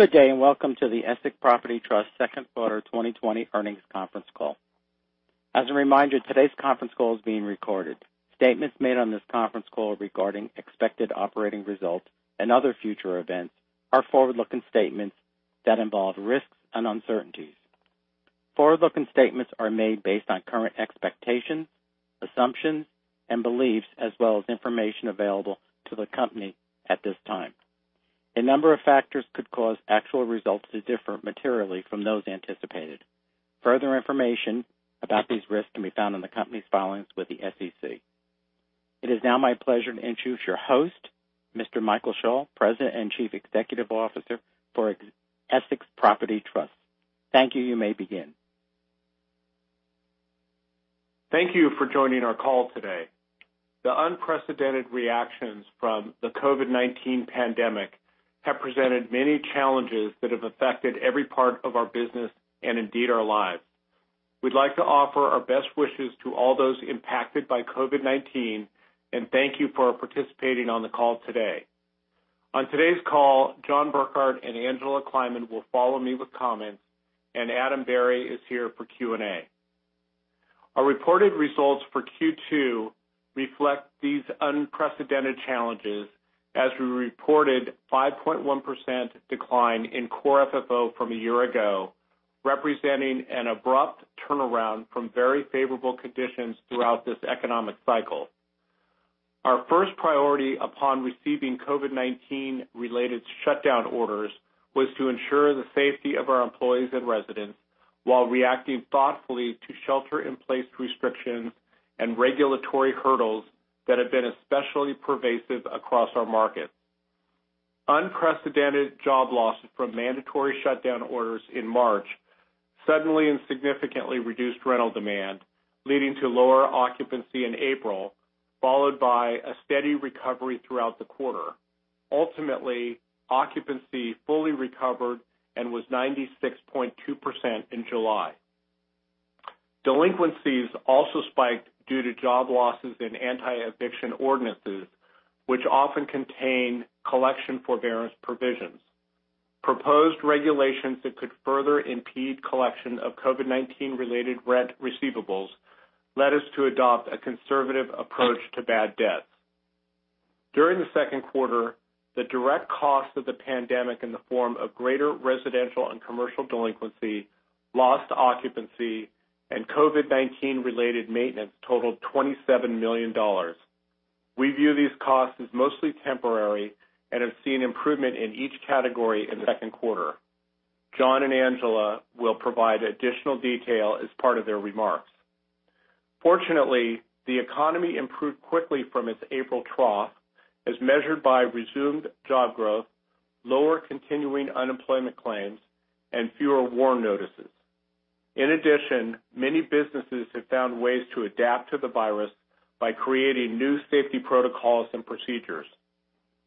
Good day, and welcome to the Essex Property Trust Second Quarter 2020 Earnings Conference Call. As a reminder, today's conference call is being recorded. Statements made on this conference call regarding expected operating results and other future events are forward-looking statements that involve risks and uncertainties. Forward-looking statements are made based on current expectations, assumptions, and beliefs, as well as information available to the company at this time. A number of factors could cause actual results to differ materially from those anticipated. Further information about these risks can be found in the company's filings with the SEC. It is now my pleasure to introduce your host, Mr. Michael Schall, President and Chief Executive Officer for Essex Property Trust. Thank you. You may begin. Thank you for joining our call today. The unprecedented reactions from the COVID-19 pandemic have presented many challenges that have affected every part of our business, and indeed, our lives. We'd like to offer our best wishes to all those impacted by COVID-19, and thank you for participating on the call today. On today's call, John Burkart and Angela Kleiman will follow me with comments, and Adam Berry is here for Q&A. Our reported results for Q2 reflect these unprecedented challenges as we reported 5.1% decline in core FFO from a year ago, representing an abrupt turnaround from very favorable conditions throughout this economic cycle. Our first priority upon receiving COVID-19 related shutdown orders was to ensure the safety of our employees and residents while reacting thoughtfully to shelter-in-place restrictions and regulatory hurdles that have been especially pervasive across our markets. Unprecedented job losses from mandatory shutdown orders in March suddenly and significantly reduced rental demand, leading to lower occupancy in April, followed by a steady recovery throughout the quarter. Ultimately, occupancy fully recovered and was 96.2% in July. Delinquencies also spiked due to job losses and anti-eviction ordinances, which often contain collection forbearance provisions. Proposed regulations that could further impede collection of COVID-19 related rent receivables led us to adopt a conservative approach to bad debts. During the second quarter, the direct cost of the pandemic in the form of greater residential and commercial delinquency, lost occupancy, and COVID-19 related maintenance totaled $27 million. We view these costs as mostly temporary and have seen improvement in each category in the second quarter. John and Angela will provide additional detail as part of their remarks. Fortunately, the economy improved quickly from its April trough as measured by resumed job growth, lower continuing unemployment claims, and fewer WARN notices. In addition, many businesses have found ways to adapt to the virus by creating new safety protocols and procedures.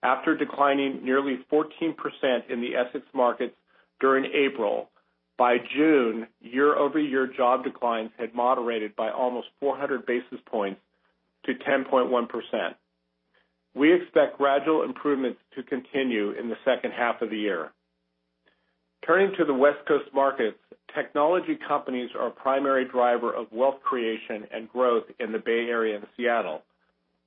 After declining nearly 14% in the Essex markets during April, by June, year-over-year job declines had moderated by almost 400 basis points to 10.1%. We expect gradual improvements to continue in the second half of the year. Turning to the West Coast markets, technology companies are a primary driver of wealth creation and growth in the Bay Area and Seattle.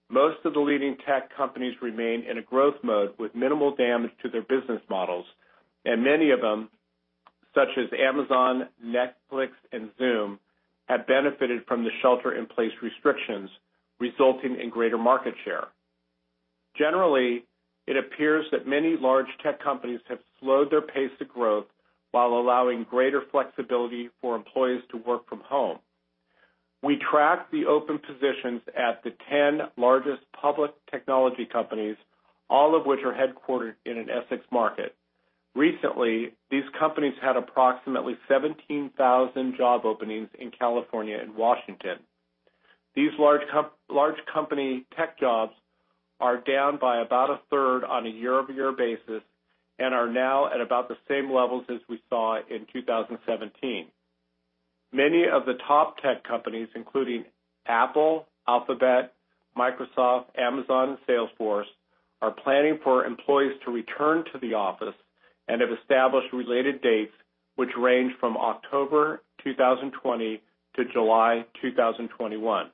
Most of the leading tech companies remain in a growth mode with minimal damage to their business models, and many of them, such as Amazon, Netflix, and Zoom, have benefited from the shelter-in-place restrictions, resulting in greater market share. Generally, it appears that many large tech companies have slowed their pace of growth while allowing greater flexibility for employees to work from home. We track the open positions at the 10 largest public technology companies, all of which are headquartered in an Essex market. Recently, these companies had approximately 17,000 job openings in California and Washington. These large company tech jobs are down by about a third on a year-over-year basis and are now at about the same levels as we saw in 2017. Many of the top tech companies, including Apple, Alphabet, Microsoft, Amazon, and Salesforce, are planning for employees to return to the office and have established related dates which range from October 2020 to July 2021.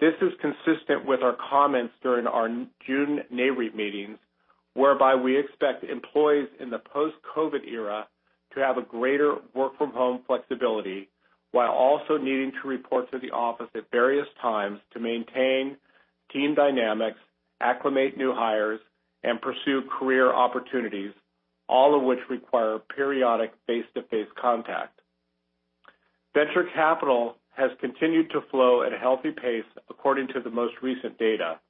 This is consistent with our comments during our June NAREIT meetings, whereby we expect employees in the post-COVID era to have a greater work-from-home flexibility while also needing to report to the office at various times to maintain team dynamics, acclimate new hires, and pursue career opportunities, all of which require periodic face-to-face contact. Venture capital has continued to flow at a healthy pace according to the most recent data.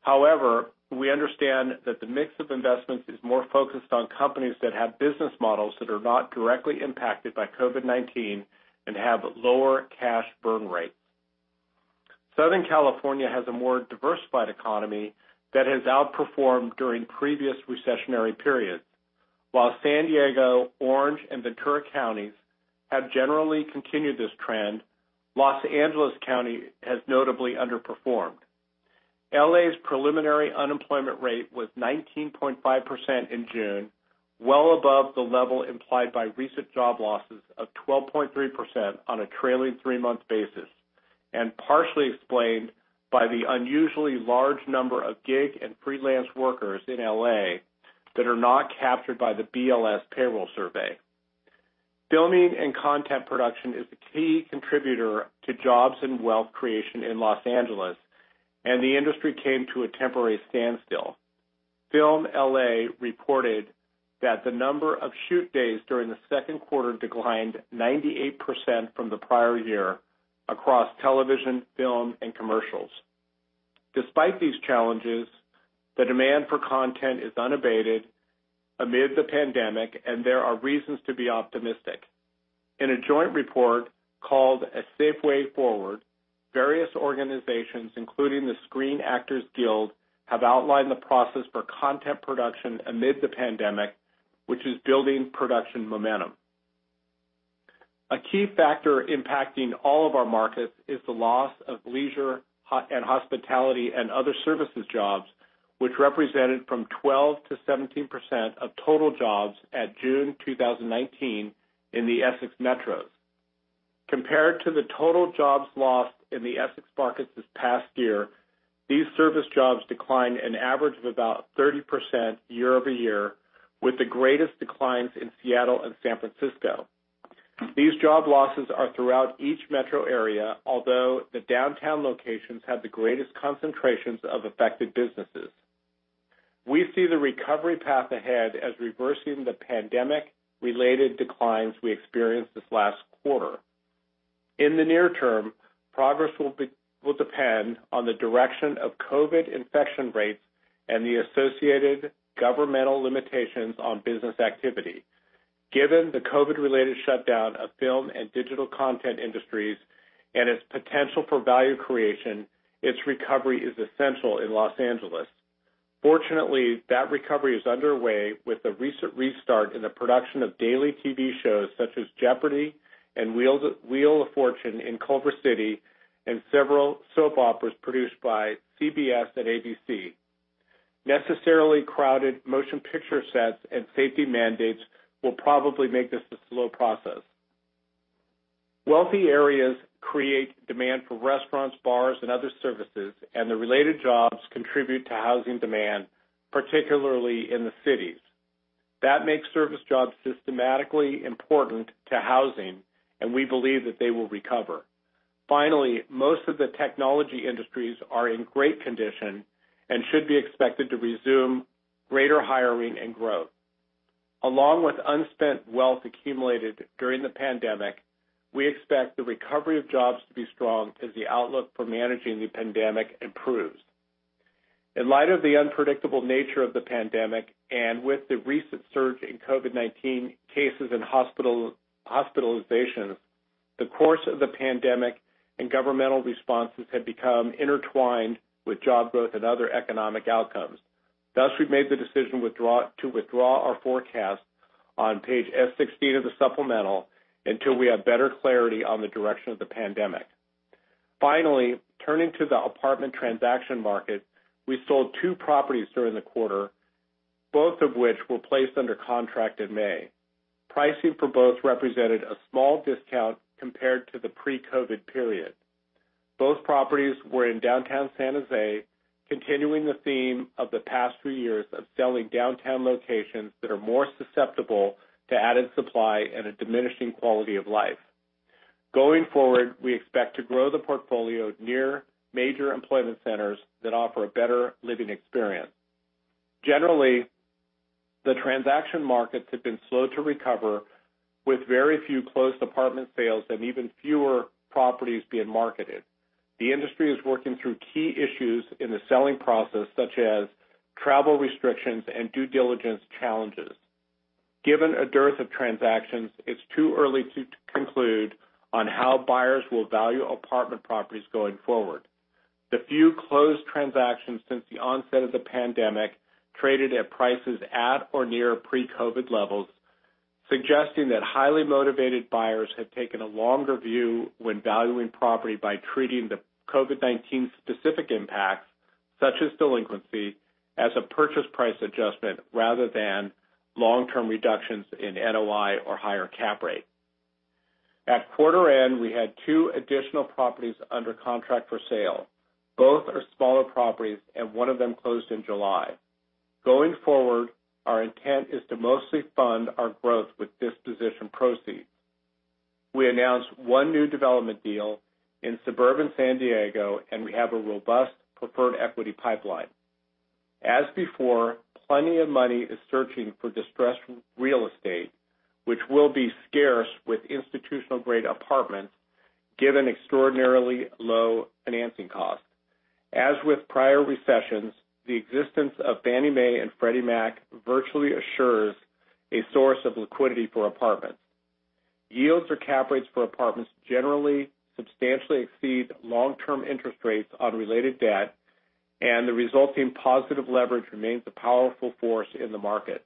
However, we understand that the mix of investments is more focused on companies that have business models that are not directly impacted by COVID-19 and have lower cash burn rates. Southern California has a more diversified economy that has outperformed during previous recessionary periods. While San Diego, Orange, and Ventura Counties have generally continued this trend, Los Angeles County has notably underperformed. L.A.'s preliminary unemployment rate was 19.5% in June, well above the level implied by recent job losses of 12.3% on a trailing three-month basis, partially explained by the unusually large number of gig and freelance workers in L.A. that are not captured by the BLS payroll survey. Filming and content production is a key contributor to jobs and wealth creation in Los Angeles. The industry came to a temporary standstill. FilmLA reported that the number of shoot days during the second quarter declined 98% from the prior year across television, film, and commercials. Despite these challenges, the demand for content is unabated amid the pandemic. There are reasons to be optimistic. In a joint report called A Safe Way Forward, various organizations, including the Screen Actors Guild, have outlined the process for content production amid the pandemic, which is building production momentum. A key factor impacting all of our markets is the loss of leisure and hospitality and other services jobs, which represented from 12%-17% of total jobs at June 2019 in the Essex metros. Compared to the total jobs lost in the Essex markets this past year, these service jobs declined an average of about 30% year-over-year, with the greatest declines in Seattle and San Francisco. These job losses are throughout each metro area, although the downtown locations had the greatest concentrations of affected businesses. We see the recovery path ahead as reversing the pandemic-related declines we experienced this last quarter. In the near term, progress will depend on the direction of COVID infection rates and the associated governmental limitations on business activity. Given the COVID-related shutdown of film and digital content industries and its potential for value creation, its recovery is essential in Los Angeles. Fortunately, that recovery is underway with the recent restart in the production of daily TV shows such as Jeopardy! and "Wheel of Fortune" in Culver City and several soap operas produced by CBS and ABC. Necessarily crowded motion picture sets and safety mandates will probably make this a slow process. Wealthy areas create demand for restaurants, bars, and other services, and the related jobs contribute to housing demand, particularly in the cities. That makes service jobs systematically important to housing, and we believe that they will recover. Finally, most of the technology industries are in great condition and should be expected to resume greater hiring and growth. Along with unspent wealth accumulated during the pandemic, we expect the recovery of jobs to be strong as the outlook for managing the pandemic improves. In light of the unpredictable nature of the pandemic and with the recent surge in COVID-19 cases and hospitalizations, the course of the pandemic and governmental responses have become intertwined with job growth and other economic outcomes. Thus, we've made the decision to withdraw our forecast on page S16 of the supplemental until we have better clarity on the direction of the pandemic. Finally, turning to the apartment transaction market. We sold two properties during the quarter, both of which were placed under contract in May. Pricing for both represented a small discount compared to the pre-COVID period. Both properties were in downtown San José, continuing the theme of the past few years of selling downtown locations that are more susceptible to added supply and a diminishing quality of life. Going forward, we expect to grow the portfolio near major employment centers that offer a better living experience. Generally, the transaction markets have been slow to recover, with very few closed apartment sales and even fewer properties being marketed. The industry is working through key issues in the selling process, such as travel restrictions and due diligence challenges. Given a dearth of transactions, it's too early to conclude on how buyers will value apartment properties going forward. The few closed transactions since the onset of the pandemic traded at prices at or near pre-COVID levels, suggesting that highly motivated buyers have taken a longer view when valuing property by treating the COVID-19 specific impacts, such as delinquency, as a purchase price adjustment rather than long-term reductions in NOI or higher cap rate. At quarter end, we had two additional properties under contract for sale. Both are smaller properties, and one of them closed in July. Going forward, our intent is to mostly fund our growth with disposition proceeds. We announced one new development deal in suburban San Diego, and we have a robust preferred equity pipeline. As before, plenty of money is searching for distressed real estate, which will be scarce with institutional-grade apartments given extraordinarily low financing costs. As with prior recessions, the existence of Fannie Mae and Freddie Mac virtually assures a source of liquidity for apartments. Yields or cap rates for apartments generally substantially exceed long-term interest rates on related debt, and the resulting positive leverage remains a powerful force in the market.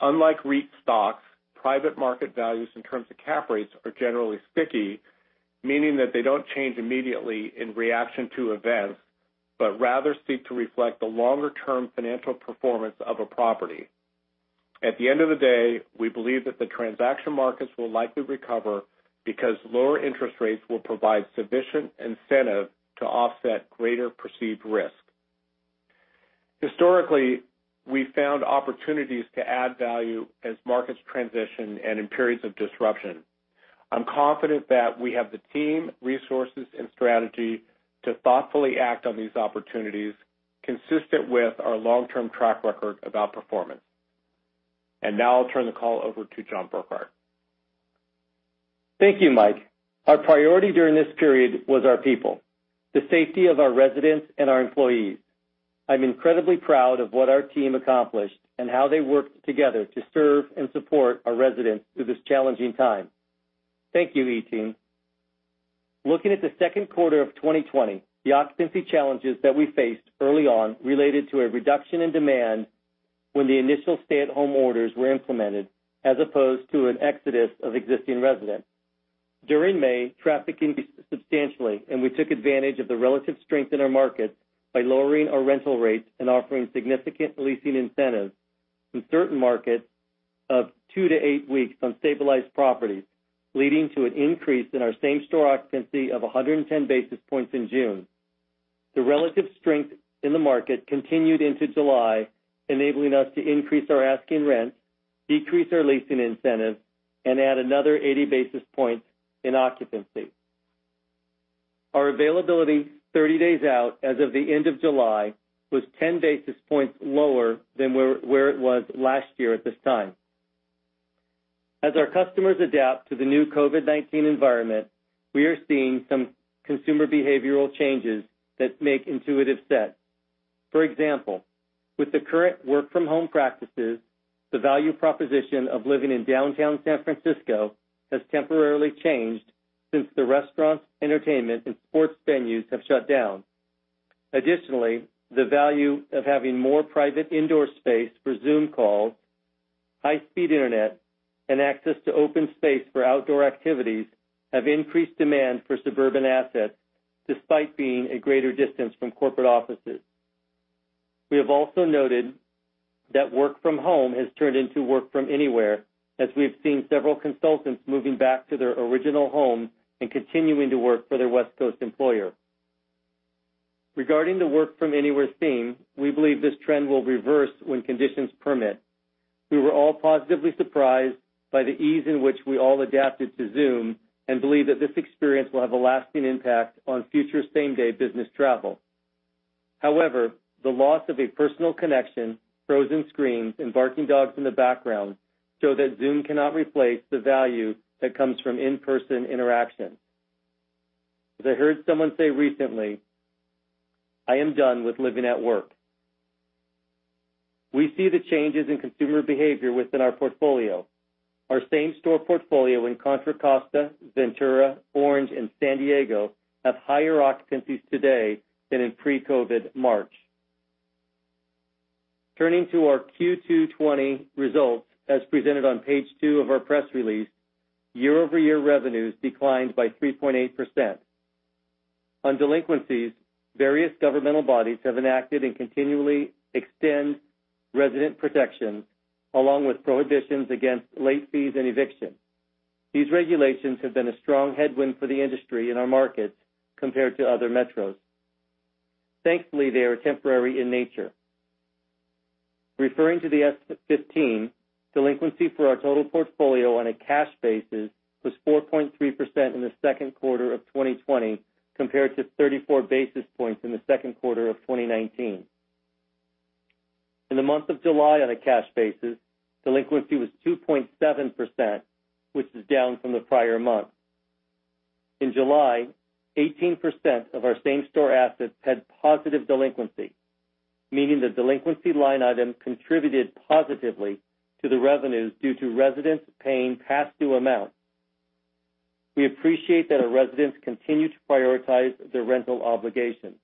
Unlike REIT stocks, private market values in terms of cap rates are generally sticky, meaning that they don't change immediately in reaction to events, but rather seek to reflect the longer-term financial performance of a property. At the end of the day, we believe that the transaction markets will likely recover because lower interest rates will provide sufficient incentive to offset greater perceived risk. Historically, we found opportunities to add value as markets transition and in periods of disruption. I'm confident that we have the team, resources, and strategy to thoughtfully act on these opportunities consistent with our long-term track record of outperformance. Now I'll turn the call over to John Burkart. Thank you, Mike. Our priority during this period was our people, the safety of our residents and our employees. I'm incredibly proud of what our team accomplished and how they worked together to serve and support our residents through this challenging time. Thank you, E-team. Looking at the second quarter of 2020, the occupancy challenges that we faced early on related to a reduction in demand when the initial stay-at-home orders were implemented as opposed to an exodus of existing residents. During May, traffic increased substantially, and we took advantage of the relative strength in our markets by lowering our rental rates and offering significant leasing incentives in certain markets of two to eight weeks on stabilized properties, leading to an increase in our same-store occupancy of 110 basis points in June. The relative strength in the market continued into July, enabling us to increase our asking rents, decrease our leasing incentives, and add another 80 basis points in occupancy. Our availability 30 days out as of the end of July was 10 basis points lower than where it was last year at this time. As our customers adapt to the new COVID-19 environment, we are seeing some consumer behavioral changes that make intuitive sense. For example, with the current work-from-home practices, the value proposition of living in downtown San Francisco has temporarily changed since the restaurants, entertainment, and sports venues have shut down. Additionally, the value of having more private indoor space for Zoom calls, high-speed internet, and access to open space for outdoor activities have increased demand for suburban assets despite being a greater distance from corporate offices. We have also noted that work from home has turned into work from anywhere, as we've seen several consultants moving back to their original home and continuing to work for their West Coast employer. Regarding the work-from-anywhere theme, we believe this trend will reverse when conditions permit. We were all positively surprised by the ease in which we all adapted to Zoom and believe that this experience will have a lasting impact on future same-day business travel. However, the loss of a personal connection, frozen screens, and barking dogs in the background show that Zoom cannot replace the value that comes from in-person interaction. As I heard someone say recently, "I am done with living at work." We see the changes in consumer behavior within our portfolio. Our same-store portfolio in Contra Costa, Ventura, Orange, and San Diego have higher occupancies today than in pre-COVID March. Turning to our Q2 2020 results as presented on page two of our press release, year-over-year revenues declined by 3.8%. On delinquencies, various governmental bodies have enacted and continually extend resident protection, along with prohibitions against late fees and eviction. These regulations have been a strong headwind for the industry in our markets compared to other metros. Thankfully, they are temporary in nature. Referring to the S15, delinquency for our total portfolio on a cash basis was 4.3% in the second quarter of 2020, compared to 34 basis points in the second quarter of 2019. In the month of July on a cash basis, delinquency was 2.7%, which is down from the prior month. In July, 18% of our same-store assets had positive delinquency, meaning the delinquency line item contributed positively to the revenues due to residents paying past due amounts. We appreciate that our residents continue to prioritize their rental obligations.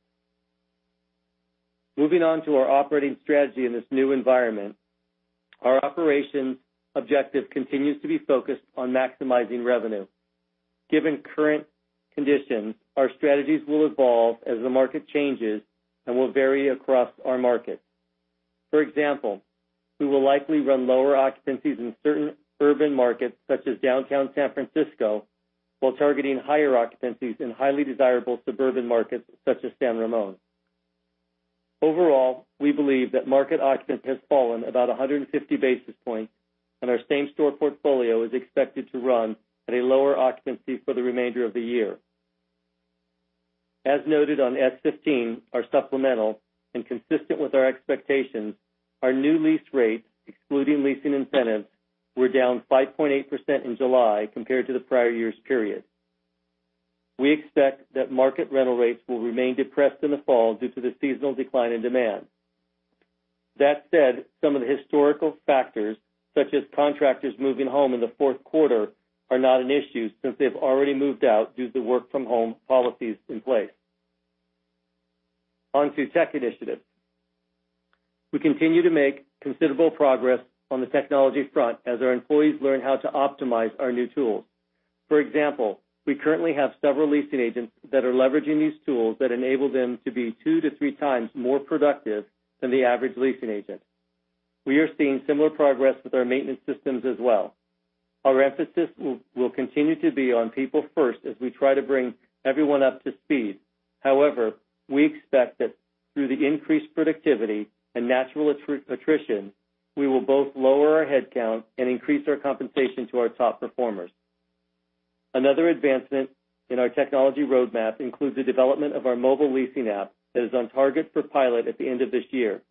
Moving on to our operating strategy in this new environment. Our operations objective continues to be focused on maximizing revenue. Given current conditions, our strategies will evolve as the market changes and will vary across our markets. For example, we will likely run lower occupancies in certain urban markets such as downtown San Francisco while targeting higher occupancies in highly desirable suburban markets such as San Ramon. Overall, we believe that market occupancy has fallen about 150 basis points, and our same-store portfolio is expected to run at a lower occupancy for the remainder of the year. As noted on S15, our supplemental, and consistent with our expectations, our new lease rates, excluding leasing incentives, were down 5.8% in July compared to the prior year's period. We expect that market rental rates will remain depressed in the fall due to the seasonal decline in demand. That said, some of the historical factors, such as contractors moving home in the fourth quarter, are not an issue since they've already moved out due to the work-from-home policies in place. On to tech initiatives. We continue to make considerable progress on the technology front as our employees learn how to optimize our new tools. For example, we currently have several leasing agents that are leveraging these tools that enable them to be 2x to 3x more productive than the average leasing agent. We are seeing similar progress with our maintenance systems as well. Our emphasis will continue to be on people first as we try to bring everyone up to speed. However, we expect that through the increased productivity and natural attrition, we will both lower our headcount and increase our compensation to our top performers. Another advancement in our technology roadmap includes the development of our mobile leasing app that is on target for pilot at the end of this year.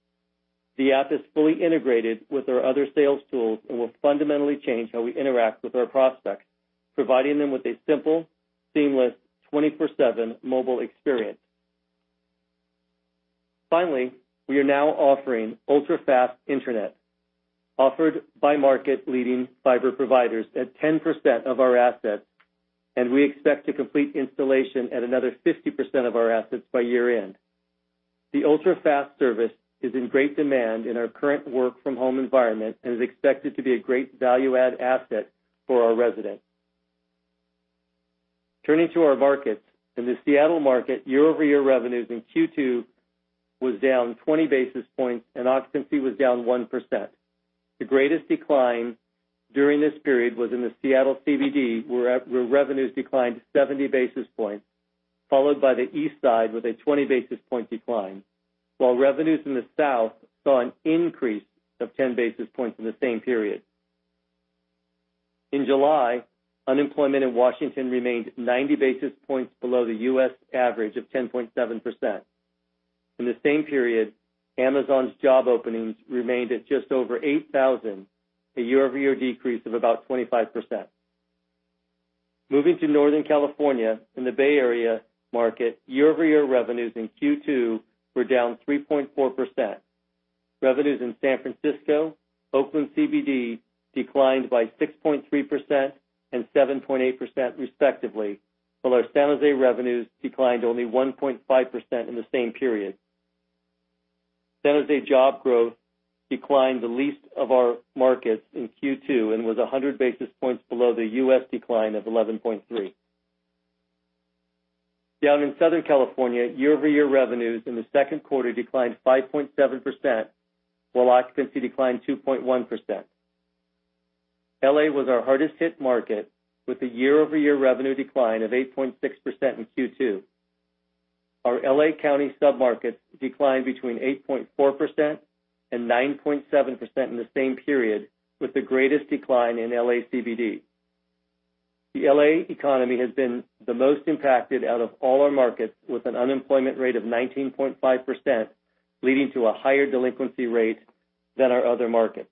The app is fully integrated with our other sales tools and will fundamentally change how we interact with our prospects, providing them with a simple, seamless, 24/7 mobile experience. Finally, we are now offering ultra-fast internet, offered by market-leading fiber providers at 10% of our assets, and we expect to complete installation at another 50% of our assets by year-end. The ultra-fast service is in great demand in our current work-from-home environment and is expected to be a great value-add asset for our residents. Turning to our markets. In the Seattle market, year-over-year revenues in Q2 was down 20 basis points and occupancy was down 1%. The greatest decline during this period was in the Seattle CBD, where revenues declined 70 basis points, followed by the Eastside with a 20 basis point decline, while revenues in the south saw an increase of 10 basis points in the same period. In July, unemployment in Washington remained 90 basis points below the U.S. average of 10.7%. In the same period, Amazon's job openings remained at just over 8,000, a year-over-year decrease of about 25%. Moving to Northern California, in the Bay Area market, year-over-year revenues in Q2 were down 3.4%. Revenues in San Francisco, Oakland CBD declined by 6.3% and 7.8%, respectively, while our San Jose revenues declined only 1.5% in the same period. San Jose job growth declined the least of our markets in Q2 and was 100 basis points below the U.S. decline of 11.3%. Down in Southern California, year-over-year revenues in the second quarter declined 5.7%, while occupancy declined 2.1%. L.A. was our hardest hit market, with a year-over-year revenue decline of 8.6% in Q2. Our L.A. County sub-market declined between 8.4% and 9.7% in the same period, with the greatest decline in L.A. CBD. The L.A. economy has been the most impacted out of all our markets, with an unemployment rate of 19.5%, leading to a higher delinquency rate than our other markets.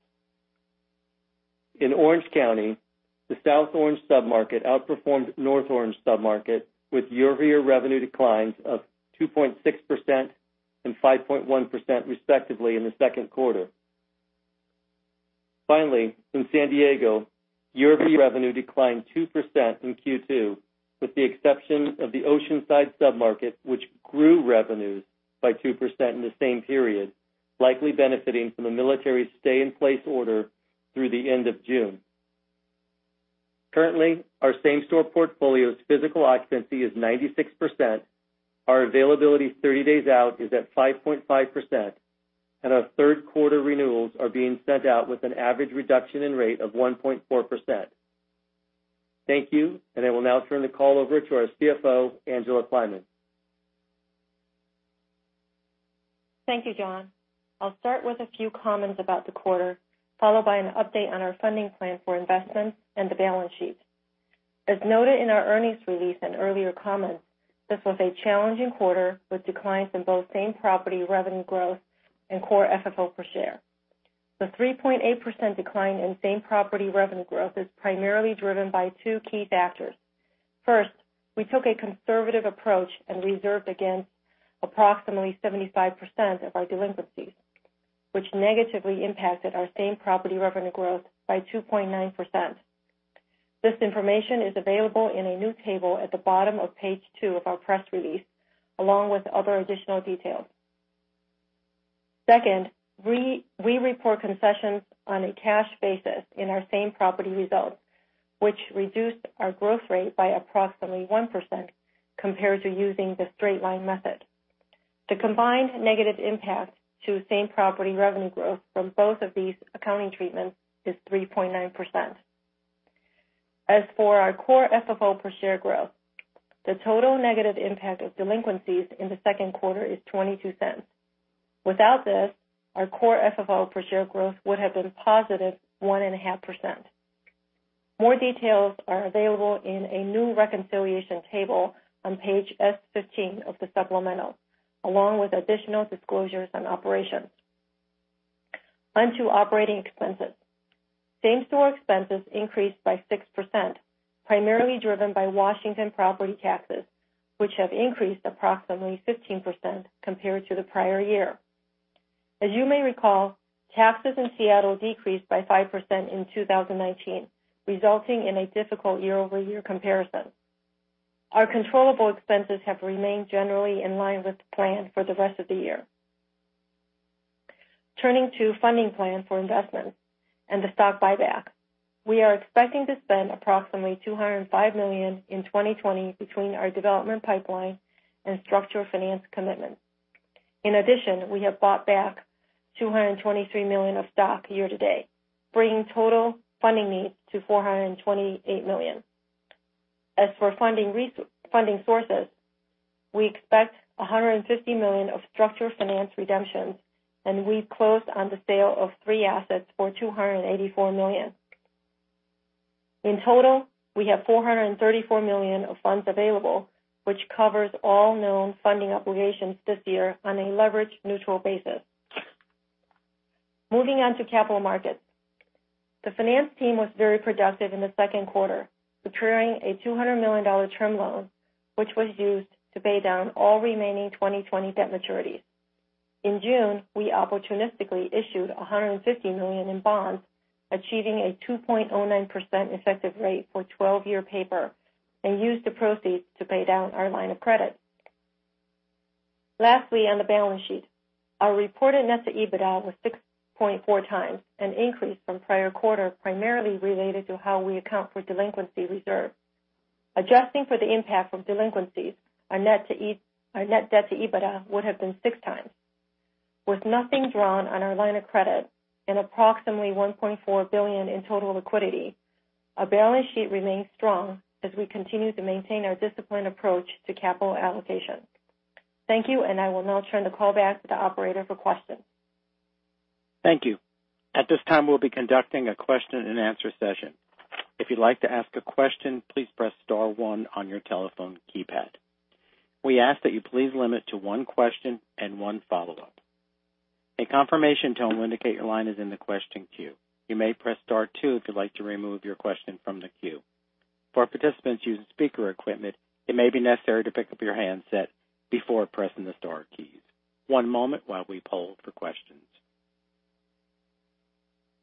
In Orange County, the South Orange sub-market outperformed North Orange sub-market, with year-over-year revenue declines of 2.6% and 5.1%, respectively, in the second quarter. Finally, in San Diego, year-over-year revenue declined 2% in Q2, with the exception of the Oceanside sub-market, which grew revenues by 2% in the same period, likely benefiting from the military stay-in-place order through the end of June. Currently, our same-store portfolio's physical occupancy is 96%, our availability 30 days out is at 5.5%, and our third quarter renewals are being sent out with an average reduction in rate of 1.4%. Thank you, and I will now turn the call over to our CFO, Angela Kleiman. Thank you, John. I'll start with a few comments about the quarter, followed by an update on our funding plan for investments and the balance sheet. As noted in our earnings release and earlier comments, this was a challenging quarter, with declines in both same-property revenue growth and core FFO per share. The 3.8% decline in same-property revenue growth is primarily driven by two key factors. First, we took a conservative approach and reserved against approximately 75% of our delinquencies, which negatively impacted our same-property revenue growth by 2.9%. This information is available in a new table at the bottom of page two of our press release, along with other additional details. Second, we report concessions on a cash basis in our same-property results, which reduced our growth rate by approximately 1% compared to using the straight-line method. The combined negative impact to same-property revenue growth from both of these accounting treatments is 3.9%. As for our core FFO per share growth, the total negative impact of delinquencies in the second quarter is $0.22. Without this, our core FFO per share growth would have been positive 1.5%. More details are available in a new reconciliation table on page S15 of the supplemental, along with additional disclosures on operations. On to operating expenses. Same-store expenses increased by 6%, primarily driven by Washington property taxes, which have increased approximately 15% compared to the prior year. As you may recall, taxes in Seattle decreased by 5% in 2019, resulting in a difficult year-over-year comparison. Our controllable expenses have remained generally in line with the plan for the rest of the year. Turning to funding plan for investments and the stock buyback. We are expecting to spend approximately $205 million in 2020 between our development pipeline and structured finance commitments. In addition, we have bought back $223 million of stock year to date, bringing total funding needs to $428 million. As for funding sources, we expect $150 million of structured finance redemptions, and we've closed on the sale of three assets for $284 million. In total, we have $434 million of funds available, which covers all known funding obligations this year on a leverage-neutral basis. Moving on to capital markets. The finance team was very productive in the second quarter, securing a $200 million term loan, which was used to pay down all remaining 2020 debt maturities. In June, we opportunistically issued $150 million in bonds, achieving a 2.09% effective rate for 12-year paper, and used the proceeds to pay down our line of credit. Lastly, on the balance sheet, our reported net-to-EBITDA was 6.4x, an increase from prior quarter primarily related to how we account for delinquency reserve. Adjusting for the impact of delinquencies, our net debt to EBITDA would have been 6x. With nothing drawn on our line of credit and approximately $1.4 billion in total liquidity, our balance sheet remains strong as we continue to maintain our disciplined approach to capital allocation. Thank you, I will now turn the call back to the operator for questions. Thank you. At this time, we'll be conducting a question-and-answer session. If you'd like to ask a question, please press star one on your telephone keypad. We ask that you please limit to one question and one follow-up. A confirmation tone will indicate your line is in the question queue. You may press star two if you'd like to remove your question from the queue. For participants using speaker equipment, it may be necessary to pick up your handset before pressing the star keys. One moment while we poll for questions.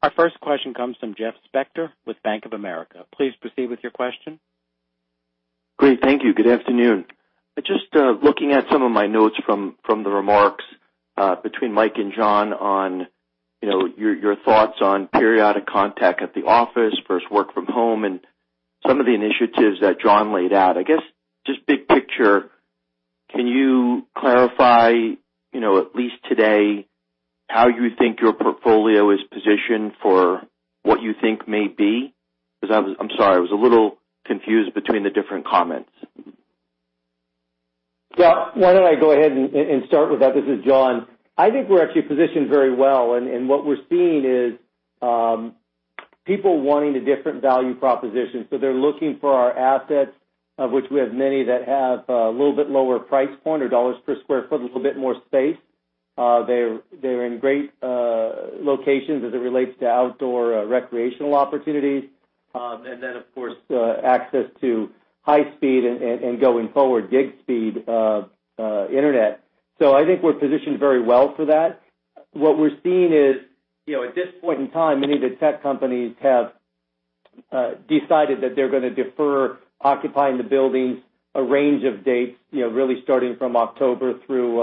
Our first question comes from Jeff Spector with Bank of America. Please proceed with your question. Great. Thank you. Good afternoon. Just looking at some of my notes from the remarks between Mike and John on your thoughts on periodic contact at the office versus work from home and some of the initiatives that John laid out. I guess, just big picture, can you clarify, at least today, how you think your portfolio is positioned for what you think may be? I'm sorry, I was a little confused between the different comments. Well, why don't I go ahead and start with that? This is John. I think we're actually positioned very well, and what we're seeing is people wanting a different value proposition. They're looking for our assets, of which we have many that have a little bit lower price point or dollar per square foot, a little bit more space. They're in great locations as it relates to outdoor recreational opportunities. Of course, access to high speed and going forward, gig speed internet. I think we're positioned very well for that. What we're seeing is, at this point in time, many of the tech companies have decided that they're going to defer occupying the buildings a range of dates really starting from October through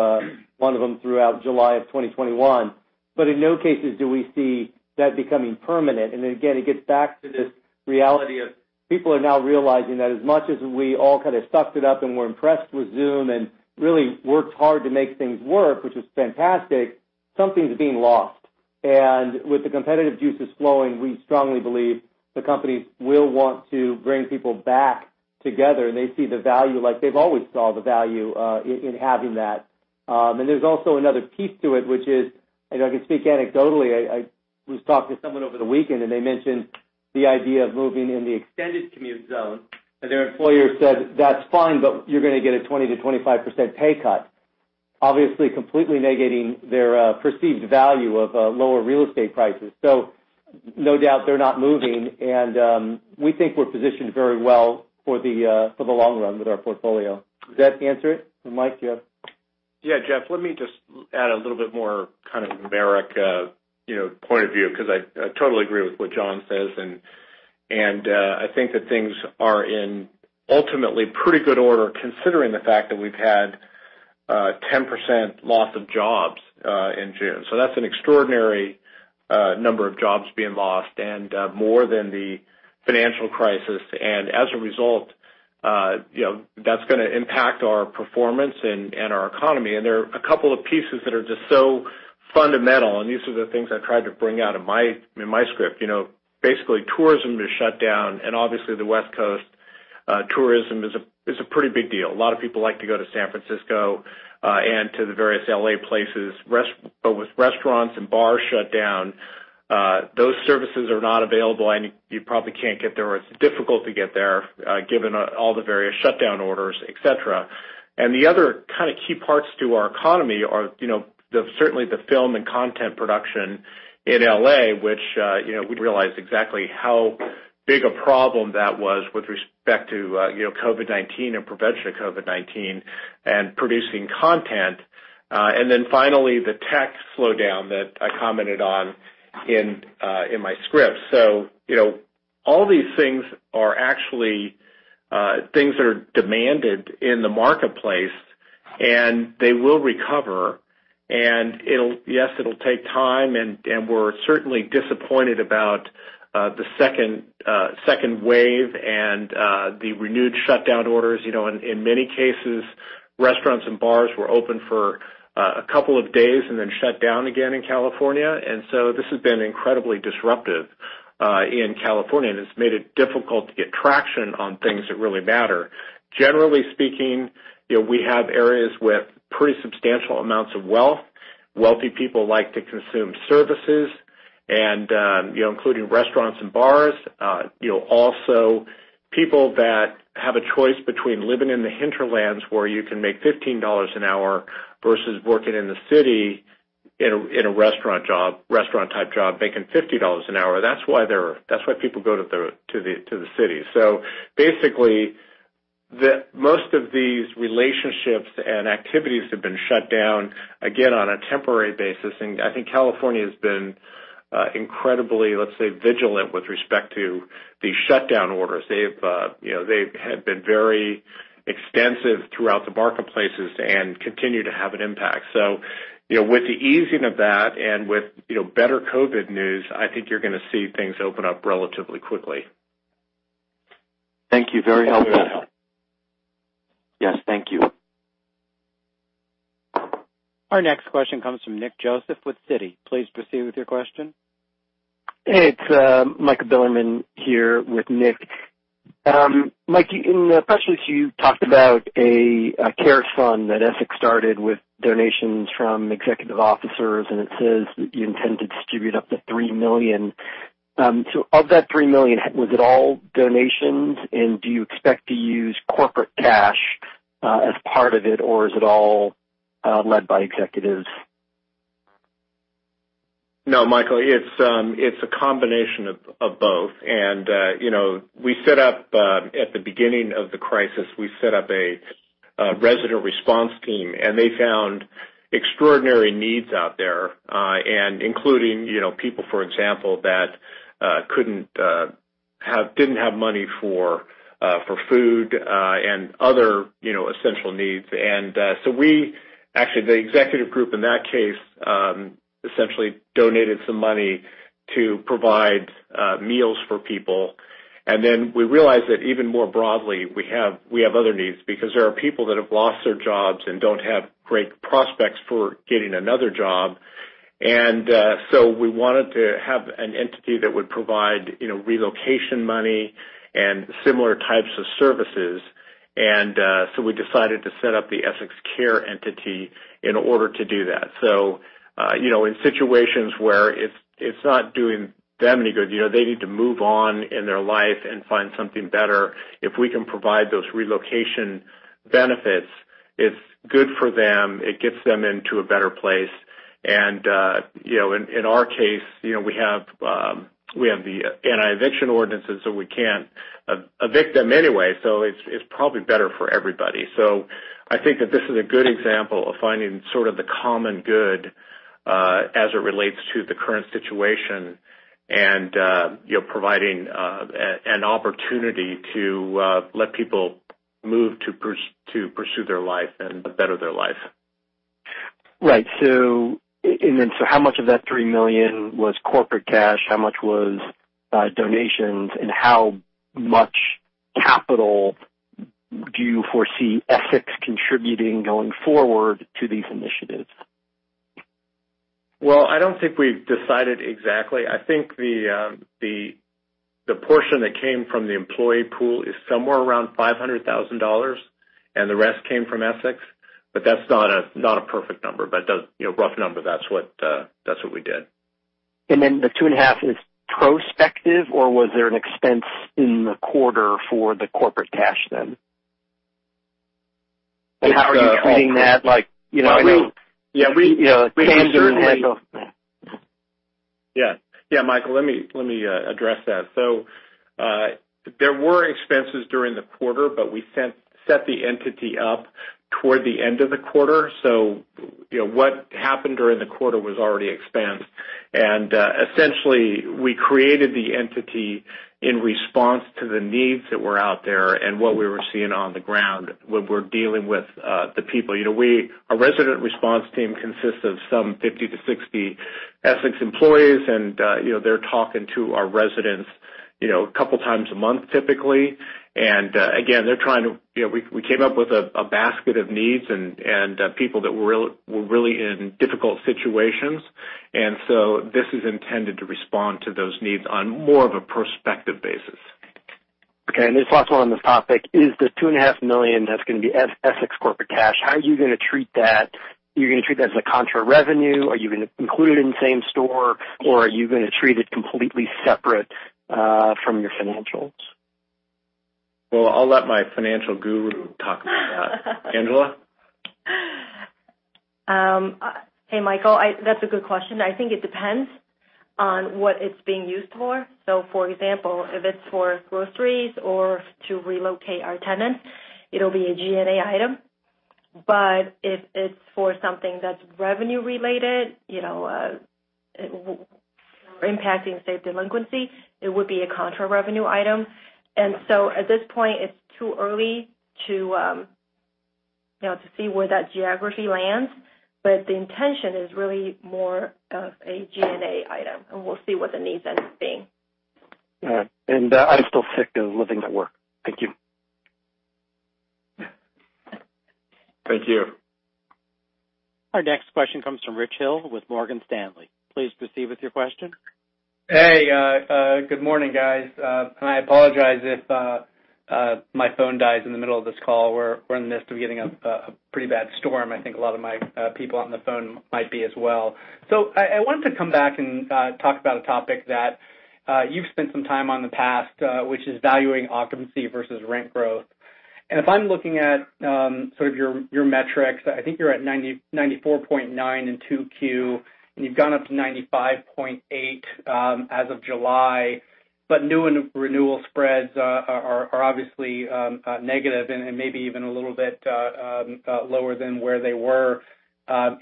one of them throughout July of 2021. In no cases do we see that becoming permanent. Again, it gets back to this reality of people are now realizing that as much as we all kind of sucked it up and we're impressed with Zoom and really worked hard to make things work, which is fantastic, something's being lost. With the competitive juices flowing, we strongly believe the companies will want to bring people back together, and they see the value like they've always saw the value in having that. There's also another piece to it, which is, I can speak anecdotally. I was talking to someone over the weekend, and they mentioned the idea of moving in the extended commute zone, and their employer said, "That's fine, but you're going to get a 20%-25% pay cut." Obviously completely negating their perceived value of lower real estate prices. No doubt, they're not moving, and we think we're positioned very well for the long run with our portfolio. Does that answer it? Michael?. Jeff, let me just add a little bit more kind of numeric point of view because I totally agree with what John says, and I think that things are in ultimately pretty good order considering the fact that we've had a 10% loss of jobs in June. That's an extraordinary number of jobs being lost and more than the financial crisis. As a result, that's going to impact our performance and our economy. There are a couple of pieces that are just so fundamental, and these are the things I tried to bring out in my script. Basically, tourism is shut down, and obviously, the West Coast tourism is a pretty big deal. A lot of people like to go to San Francisco and to the various L.A. places. With restaurants and bars shut down, those services are not available, and you probably can't get there or it's difficult to get there given all the various shutdown orders, et cetera. The other kind of key parts to our economy are certainly the film and content production in L.A., which we realize exactly how big a problem that was with respect to COVID-19 and prevention of COVID-19 and producing content. Finally, the tech slowdown that I commented on in my script. All these things are actually things that are demanded in the marketplace, and they will recover. Yes, it'll take time, and we're certainly disappointed about the second wave and the renewed shutdown orders. In many cases, restaurants and bars were open for a couple of days and then shut down again in California. This has been incredibly disruptive in California, and it's made it difficult to get traction on things that really matter. Generally speaking, we have areas with pretty substantial amounts of wealth. Wealthy people like to consume services, including restaurants and bars. Also, people that have a choice between living in the hinterlands where you can make $15 an hour versus working in the city in a restaurant-type job making $50 an hour. That's why people go to the city. Basically, most of these relationships and activities have been shut down, again, on a temporary basis. I think California has been incredibly, let's say, vigilant with respect to the shutdown orders. They have been very extensive throughout the marketplaces and continue to have an impact. With the easing of that and with better COVID news, I think you're going to see things open up relatively quickly. Thank you. Very helpful. Yes. Thank you. Our next question comes from Nick Joseph with Citi. Please proceed with your question. Hey, it's Michael Bilerman here with Nick. Mike, in the press release, you talked about Cares fund that Essex started with donations from executive officers, and it says that you intend to distribute up to $3 million. Of that $3 million, was it all donations, and do you expect to use corporate cash as part of it, or is it all led by executives? No, Michael, it's a combination of both. At the beginning of the crisis, we set up a resident response team, and they found extraordinary needs out there, including people, for example, that didn't have money for food and other essential needs. We, actually, the executive group in that case, essentially donated some money to provide meals for people. Then we realized that even more broadly, we have other needs because there are people that have lost their jobs and don't have great prospects for getting another job. We wanted to have an entity that would provide relocation money and similar types of services. We decided to set up the Essex Care entity in order to do that. In situations where it's not doing them any good, they need to move on in their life and find something better. If we can provide those relocation benefits, it's good for them. It gets them into a better place. In our case, we have the anti-eviction ordinances, so we can't evict them anyway. It's probably better for everybody. I think that this is a good example of finding sort of the common good as it relates to the current situation and providing an opportunity to let people move to pursue their life and better their life. Right. How much of that $3 million was corporate cash? How much was donations, and how much capital do you foresee Essex contributing going forward to these initiatives? Well, I don't think we've decided exactly. I think the portion that came from the employee pool is somewhere around $500,000, and the rest came from Essex. That's not a perfect number. Rough number, that's what we did. Then the 2.5 is prospective, or was there an expense in the quarter for the corporate cash then? How are you treating that? Michael, let me address that. There were expenses during the quarter, but we set the entity up toward the end of the quarter. What happened during the quarter was already expensed. Essentially, we created the entity in response to the needs that were out there and what we were seeing on the ground when we're dealing with the people. Our resident response team consists of some 50-60 Essex employees, and they're talking to our residents a couple times a month, typically. Again, we came up with a basket of needs and people that were really in difficult situations. This is intended to respond to those needs on more of a prospective basis. Okay, this is the last one on this topic. Is the $2.5 million that's going to be Essex corporate cash, how are you going to treat that? Are you going to treat that as a contra revenue? Are you going to include it in same store, or are you going to treat it completely separate from your financials? Well, I'll let my financial guru talk about that. Angela? Hey, Michael. That's a good question. I think it depends on what it's being used for. For example, if it's for groceries or to relocate our tenants, it'll be a G&A item. If it's for something that's revenue related, impacting, say, delinquency, it would be a contra revenue item. At this point, it's too early to see where that geography lands. The intention is really more of a G&A item, and we'll see what the needs end up being. Yeah. I'm still sick of living at work. Thank you. Thank you. Our next question comes from Rich Hill with Morgan Stanley. Please proceed with your question. Hey, good morning, guys. I apologize if my phone dies in the middle of this call. We're in the midst of getting a pretty bad storm. I think a lot of my people on the phone might be as well. I wanted to come back and talk about a topic that you've spent some time on in the past, which is valuing occupancy versus rent growth. If I'm looking at sort of your metrics, I think you're at 94.9 in 2Q, and you've gone up to 95.8 as of July. New and renewal spreads are obviously negative and maybe even a little bit lower than where they were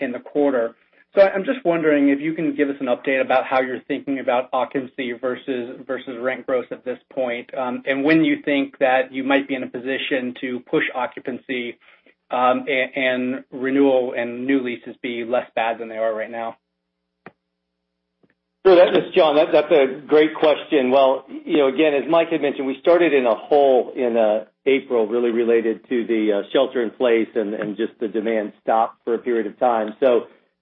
in the quarter. I'm just wondering if you can give us an update about how you're thinking about occupancy versus rent growth at this point, and when you think that you might be in a position to push occupancy and renewal and new leases be less bad than they are right now? This is John. That's a great question. Again, as Mike had mentioned, we started in a hole in April, really related to the shelter in place and just the demand stopped for a period of time.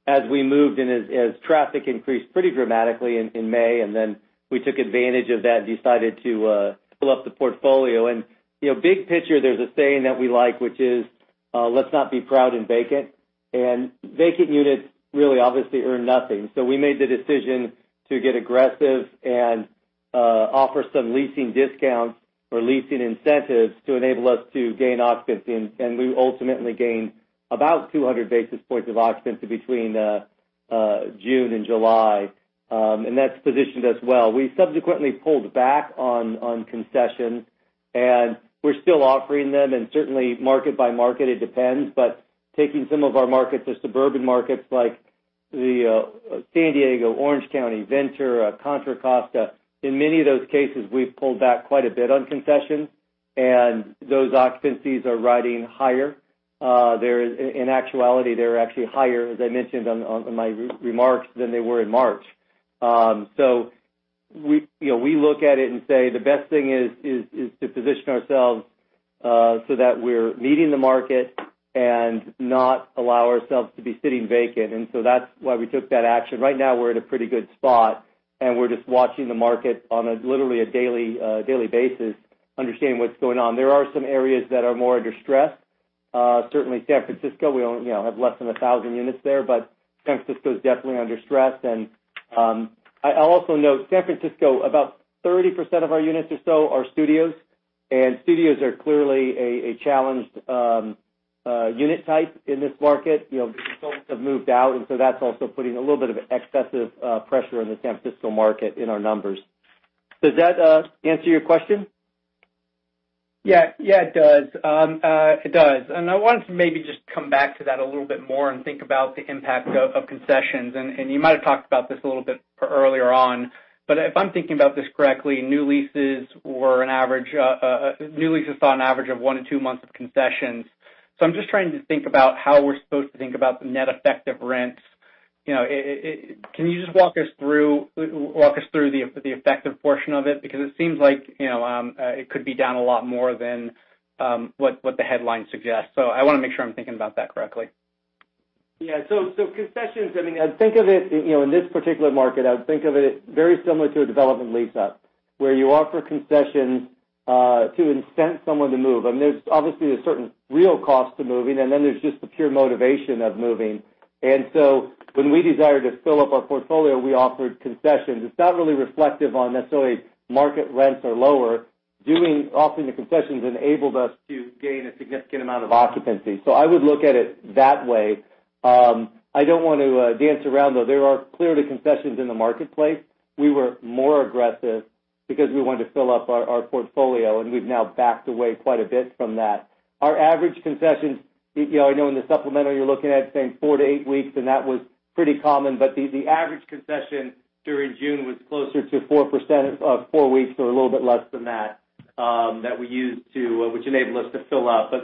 As we moved and as traffic increased pretty dramatically in May, then we took advantage of that and decided to fill up the portfolio. Big picture, there's a saying that we like, which is, let's not be proud and vacant. Vacant units really obviously earn nothing. We made the decision to get aggressive and offer some leasing discounts or leasing incentives to enable us to gain occupancy, and we ultimately gained about 200 basis points of occupancy between June and July, and that's positioned us well. We subsequently pulled back on concessions, and we're still offering them, and certainly market by market, it depends. Taking some of our markets, the suburban markets like the San Diego, Orange County, Ventura, Contra Costa, in many of those cases, we've pulled back quite a bit on concessions, and those occupancies are riding higher. In actuality, they're actually higher, as I mentioned on my remarks, than they were in March. We look at it and say the best thing is to position ourselves so that we're meeting the market and not allow ourselves to be sitting vacant. That's why we took that action. Right now, we're at a pretty good spot, and we're just watching the market on a literally a daily basis, understanding what's going on. There are some areas that are more under stress. Certainly San Francisco, we only have less than 1,000 units there, but San Francisco is definitely under stress. I'll also note San Francisco, about 30% of our units or so are studios. Studios are clearly a challenged unit type in this market. The consultants have moved out. That's also putting a little bit of excessive pressure on the San Francisco market in our numbers. Does that answer your question? Yeah, it does. I wanted to maybe just come back to that a little bit more and think about the impact of concessions. You might have talked about this a little bit earlier on, but if I'm thinking about this correctly, new leases saw an average of 1-2 months of concessions. I'm just trying to think about how we're supposed to think about the net effect of rents. Can you just walk us through the effective portion of it? Because it seems like it could be down a lot more than what the headline suggests. I want to make sure I'm thinking about that correctly. Yeah. Concessions, I mean, in this particular market, I would think of it very similar to a development lease-up, where you offer concessions to incent someone to move. I mean, there's obviously a certain real cost to moving, and then there's just the pure motivation of moving. When we desired to fill up our portfolio, we offered concessions. It's not really reflective on necessarily market rents are lower. Offering the concessions enabled us to gain a significant amount of occupancy. I would look at it that way. I don't want to dance around, though. There are clearly concessions in the marketplace. We were more aggressive because we wanted to fill up our portfolio, and we've now backed away quite a bit from that. Our average concessions, I know in the supplemental you're looking at saying four to eight weeks, and that was pretty common, but the average concession during June was closer to 4% of four weeks or a little bit less than that we used to which enabled us to fill up. There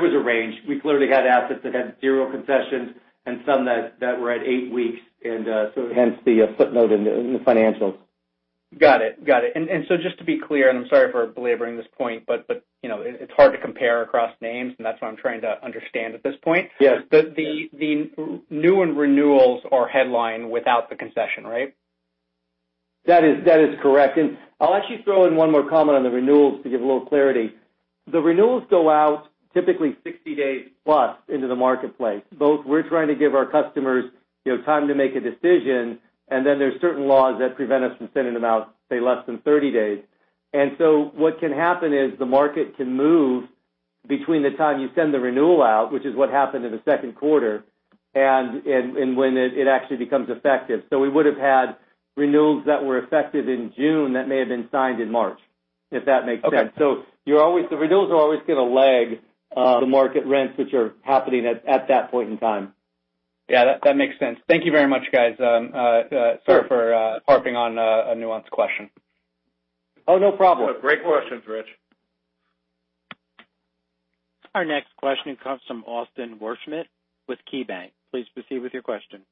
was a range. We clearly had assets that had zero concessions and some that were at eight weeks, and so hence the footnote in the financials. Got it. Just to be clear, and I'm sorry for belaboring this point, but it's hard to compare across names, and that's what I'm trying to understand at this point. Yes. The new and renewals are headlined without the concession, right? That is correct. I'll actually throw in one more comment on the renewals to give a little clarity. The renewals go out typically 60+ days into the marketplace. Both we're trying to give our customers time to make a decision, and then there's certain laws that prevent us from sending them out, say, less than 30 days. What can happen is the market can move between the time you send the renewal out, which is what happened in the second quarter, and when it actually becomes effective. We would have had renewals that were effective in June that may have been signed in March. If that makes sense? Okay. The renewals are always going to lag the market rents which are happening at that point in time. Yeah, that makes sense. Thank you very much, guys. Sure. Sorry for harping on a nuanced question. Oh, no problem. Great questions, Rich. Our next question comes from Austin Wurschmidt with KeyBanc. Please proceed with your question.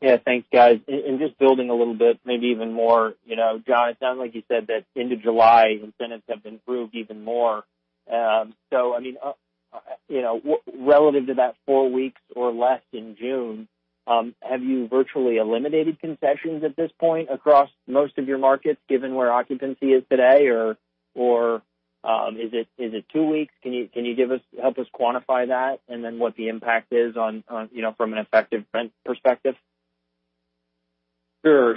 Yeah, thanks guys. Just building a little bit, maybe even more, John, it sounds like you said that into July, incentives have improved even more. I mean, relative to that four weeks or less in June, have you virtually eliminated concessions at this point across most of your markets, given where occupancy is today, or is it two weeks? Can you help us quantify that and then what the impact is from an effective rent perspective? Sure.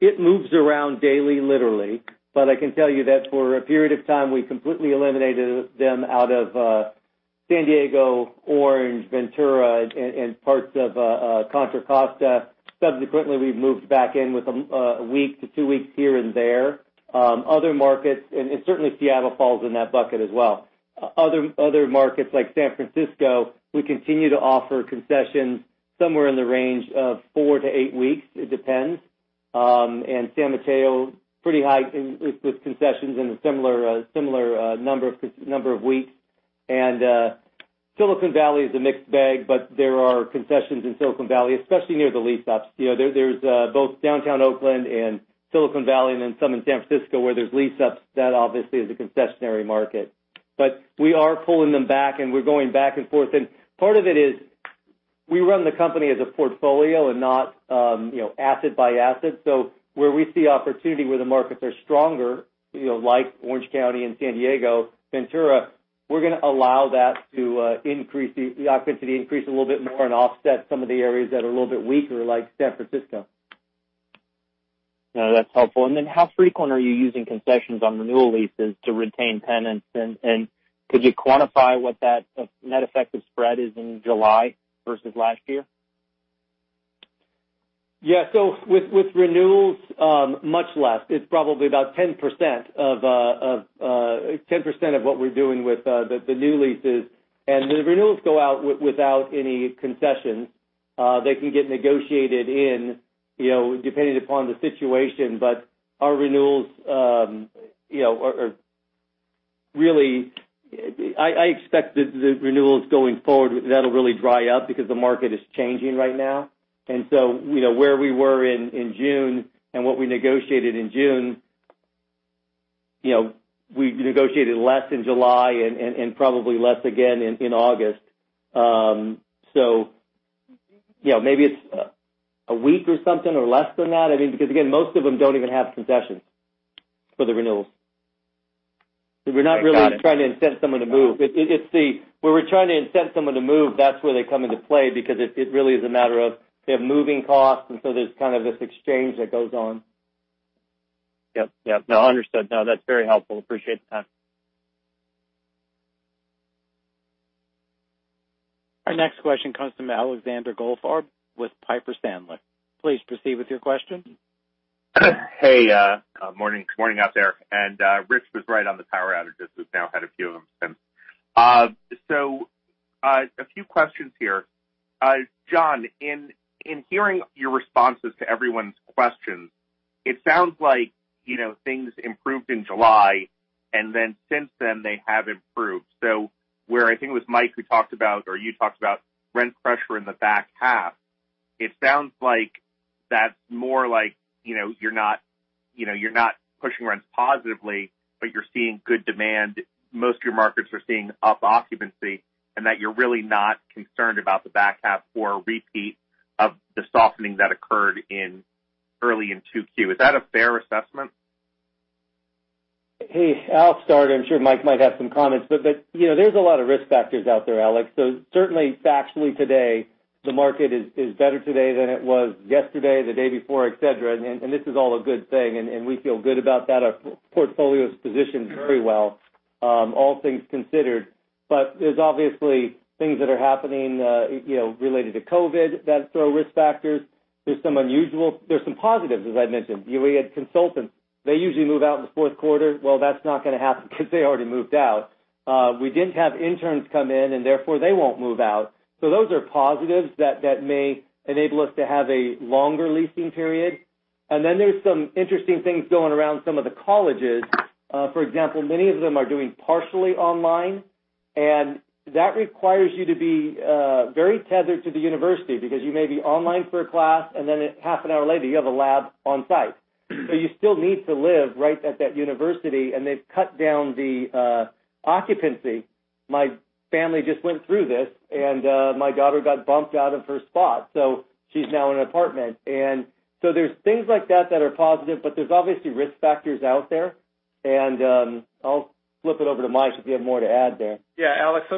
It moves around daily, literally. I can tell you that for a period of time, we completely eliminated them out of San Diego, Orange, Ventura, and parts of Contra Costa. Subsequently, we've moved back in with a week to two weeks here and there. Other markets, certainly Seattle falls in that bucket as well. Other markets like San Francisco, we continue to offer concessions somewhere in the range of four to eight weeks. It depends. San Mateo, pretty high with concessions in a similar number of weeks. Silicon Valley is a mixed bag, but there are concessions in Silicon Valley, especially near the lease-ups. There's both downtown Oakland and Silicon Valley, and then some in San Francisco where there's lease-ups. That obviously is a concessionary market. We are pulling them back, and we're going back and forth, and part of it is we run the company as a portfolio and not asset by asset. Where we see opportunity where the markets are stronger, like Orange County and San Diego, Ventura, we're going to allow that to increase the occupancy increase a little bit more and offset some of the areas that are a little bit weaker, like San Francisco. No, that's helpful. How frequent are you using concessions on renewal leases to retain tenants? Could you quantify what that net effective spread is in July versus last year? Yeah. With renewals, much less. It's probably about 10% of what we're doing with the new leases. The renewals go out without any concessions. They can get negotiated in, depending upon the situation, but our renewals are really I expect that the renewals going forward, that'll really dry up because the market is changing right now. Where we were in June and what we negotiated in June, we negotiated less in July and probably less again in August. Maybe it's a week or something, or less than that. I mean, because again, most of them don't even have concessions for the renewals. We're not really trying to incentivize someone to move. Where we're trying to incentivize someone to move, that's where they come into play, because it really is a matter of they have moving costs, and so there's kind of this exchange that goes on. Yep. No, understood. No, that's very helpful. Appreciate the time. Our next question comes from Alexander Goldfarb with Piper Sandler. Please proceed with your question. Hey, morning out there. Rich was right on the power outages. We've now had a few of them since. A few questions here. John, in hearing your responses to everyone's questions, it sounds like things improved in July, since then they have improved. Where I think it was Mike who talked about, or you talked about rent pressure in the back half, it sounds like that's more like you're not pushing rents positively, but you're seeing good demand. Most of your markets are seeing up occupancy, you're really not concerned about the back half or a repeat of the softening that occurred early in Q2. Is that a fair assessment? Hey, I'll start. I'm sure Mike might have some comments. There's a lot of risk factors out there, Alex. Certainly factually today, the market is better today than it was yesterday, the day before, et cetera. This is all a good thing, and we feel good about that. Our portfolio is positioned very well, all things considered. There's obviously things that are happening related to COVID that throw risk factors. There's some positives, as I mentioned. We had consultants. They usually move out in the fourth quarter. Well, that's not going to happen because they already moved out. We didn't have interns come in. Therefore they won't move out. Those are positives that may enable us to have a longer leasing period. There's some interesting things going around some of the colleges. For example, many of them are doing partially online, and that requires you to be very tethered to the university because you may be online for a class, and then a half an hour later, you have a lab on site. You still need to live right at that university, and they've cut down the occupancy. My family just went through this, and my daughter got bumped out of her spot, so she's now in an apartment. There's things like that that are positive, but there's obviously risk factors out there. I'll flip it over to Michael if you have more to add there. Yeah, Alex, I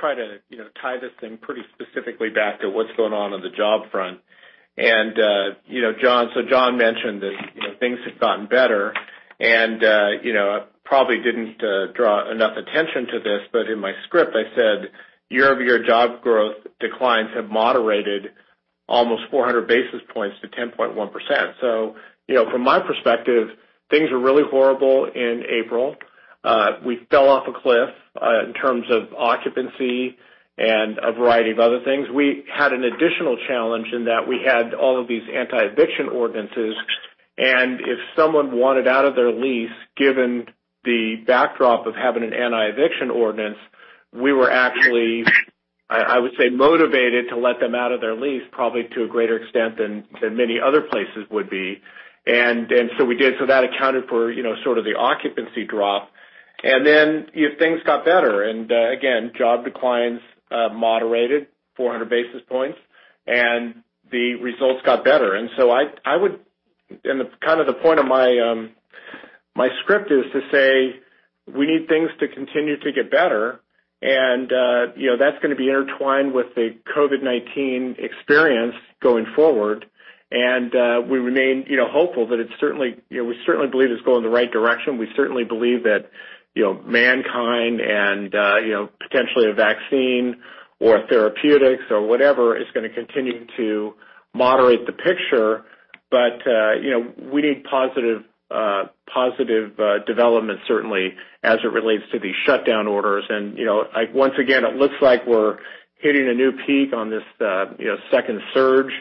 try to tie this in pretty specifically back to what's going on in the job front. John mentioned that things have gotten better, and probably didn't draw enough attention to this, but in my script, I said year-over-year job growth declines have moderated almost 400 basis points to 10.1%. From my perspective, things were really horrible in April. We fell off a cliff in terms of occupancy and a variety of other things. We had an additional challenge in that we had all of these anti-eviction ordinances, and if someone wanted out of their lease, given the backdrop of having an anti-eviction ordinance, we were actually, I would say, motivated to let them out of their lease, probably to a greater extent than many other places would be. We did. That accounted for sort of the occupancy drop. Things got better, and again, job declines moderated 400 basis points, and the results got better. Kind of the point of my script is to say we need things to continue to get better. That's going to be intertwined with the COVID-19 experience going forward. We remain hopeful that we certainly believe it's going in the right direction. We certainly believe that mankind and potentially a vaccine or therapeutics or whatever is going to continue to moderate the picture. We need positive development certainly as it relates to these shutdown orders. Once again, it looks like we're hitting a new peak on this second surge.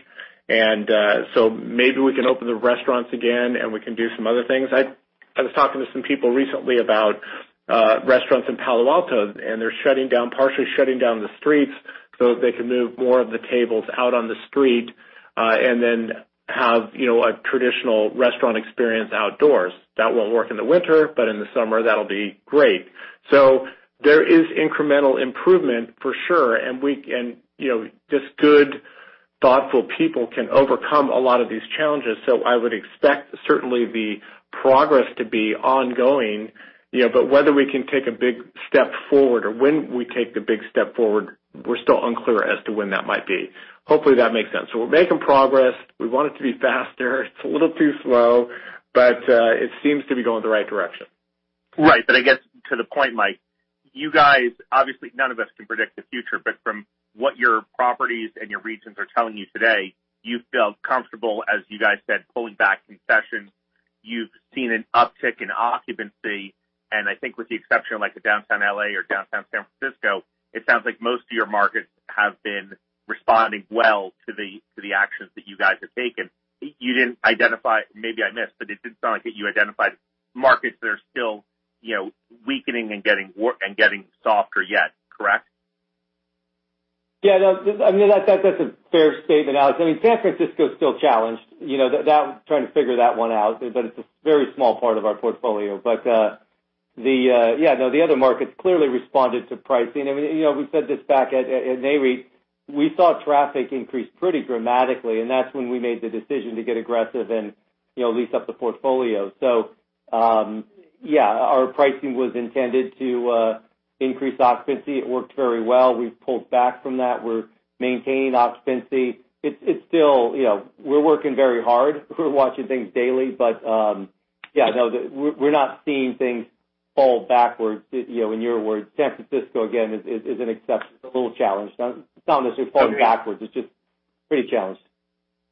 Maybe we can open the restaurants again, and we can do some other things. I was talking to some people recently about restaurants in Palo Alto. They're partially shutting down the streets so that they can move more of the tables out on the street, then have a traditional restaurant experience outdoors. That won't work in the winter. In the summer, that'll be great. There is incremental improvement for sure. Just good, thoughtful people can overcome a lot of these challenges. I would expect certainly the progress to be ongoing. Whether we can take a big step forward or when we take the big step forward, we're still unclear as to when that might be. Hopefully, that makes sense. We're making progress. We want it to be faster. It's a little too slow. It seems to be going the right direction. Right. I guess to the point, Mike, you guys, obviously none of us can predict the future, but from what your properties and your regions are telling you today, you feel comfortable, as you guys said, pulling back concessions. You've seen an uptick in occupancy, and I think with the exception of Downtown L.A. or Downtown San Francisco, it sounds like most of your markets have been responding well to the actions that you guys have taken. You didn't identify, maybe I missed, but it didn't sound like you identified markets that are still weakening and getting softer yet, correct? That's a fair statement, Alex. San Francisco is still challenged. Trying to figure that one out, but it's a very small part of our portfolio. The other markets clearly responded to pricing. We said this back at NAREIT. We saw traffic increase pretty dramatically, and that's when we made the decision to get aggressive and lease up the portfolio. Our pricing was intended to increase occupancy. It worked very well. We've pulled back from that. We're maintaining occupancy. We're working very hard. We're watching things daily. We're not seeing things fall backwards, in your words. San Francisco, again, is an exception. It's a little challenged. It's not falling backwards. It's just pretty challenged.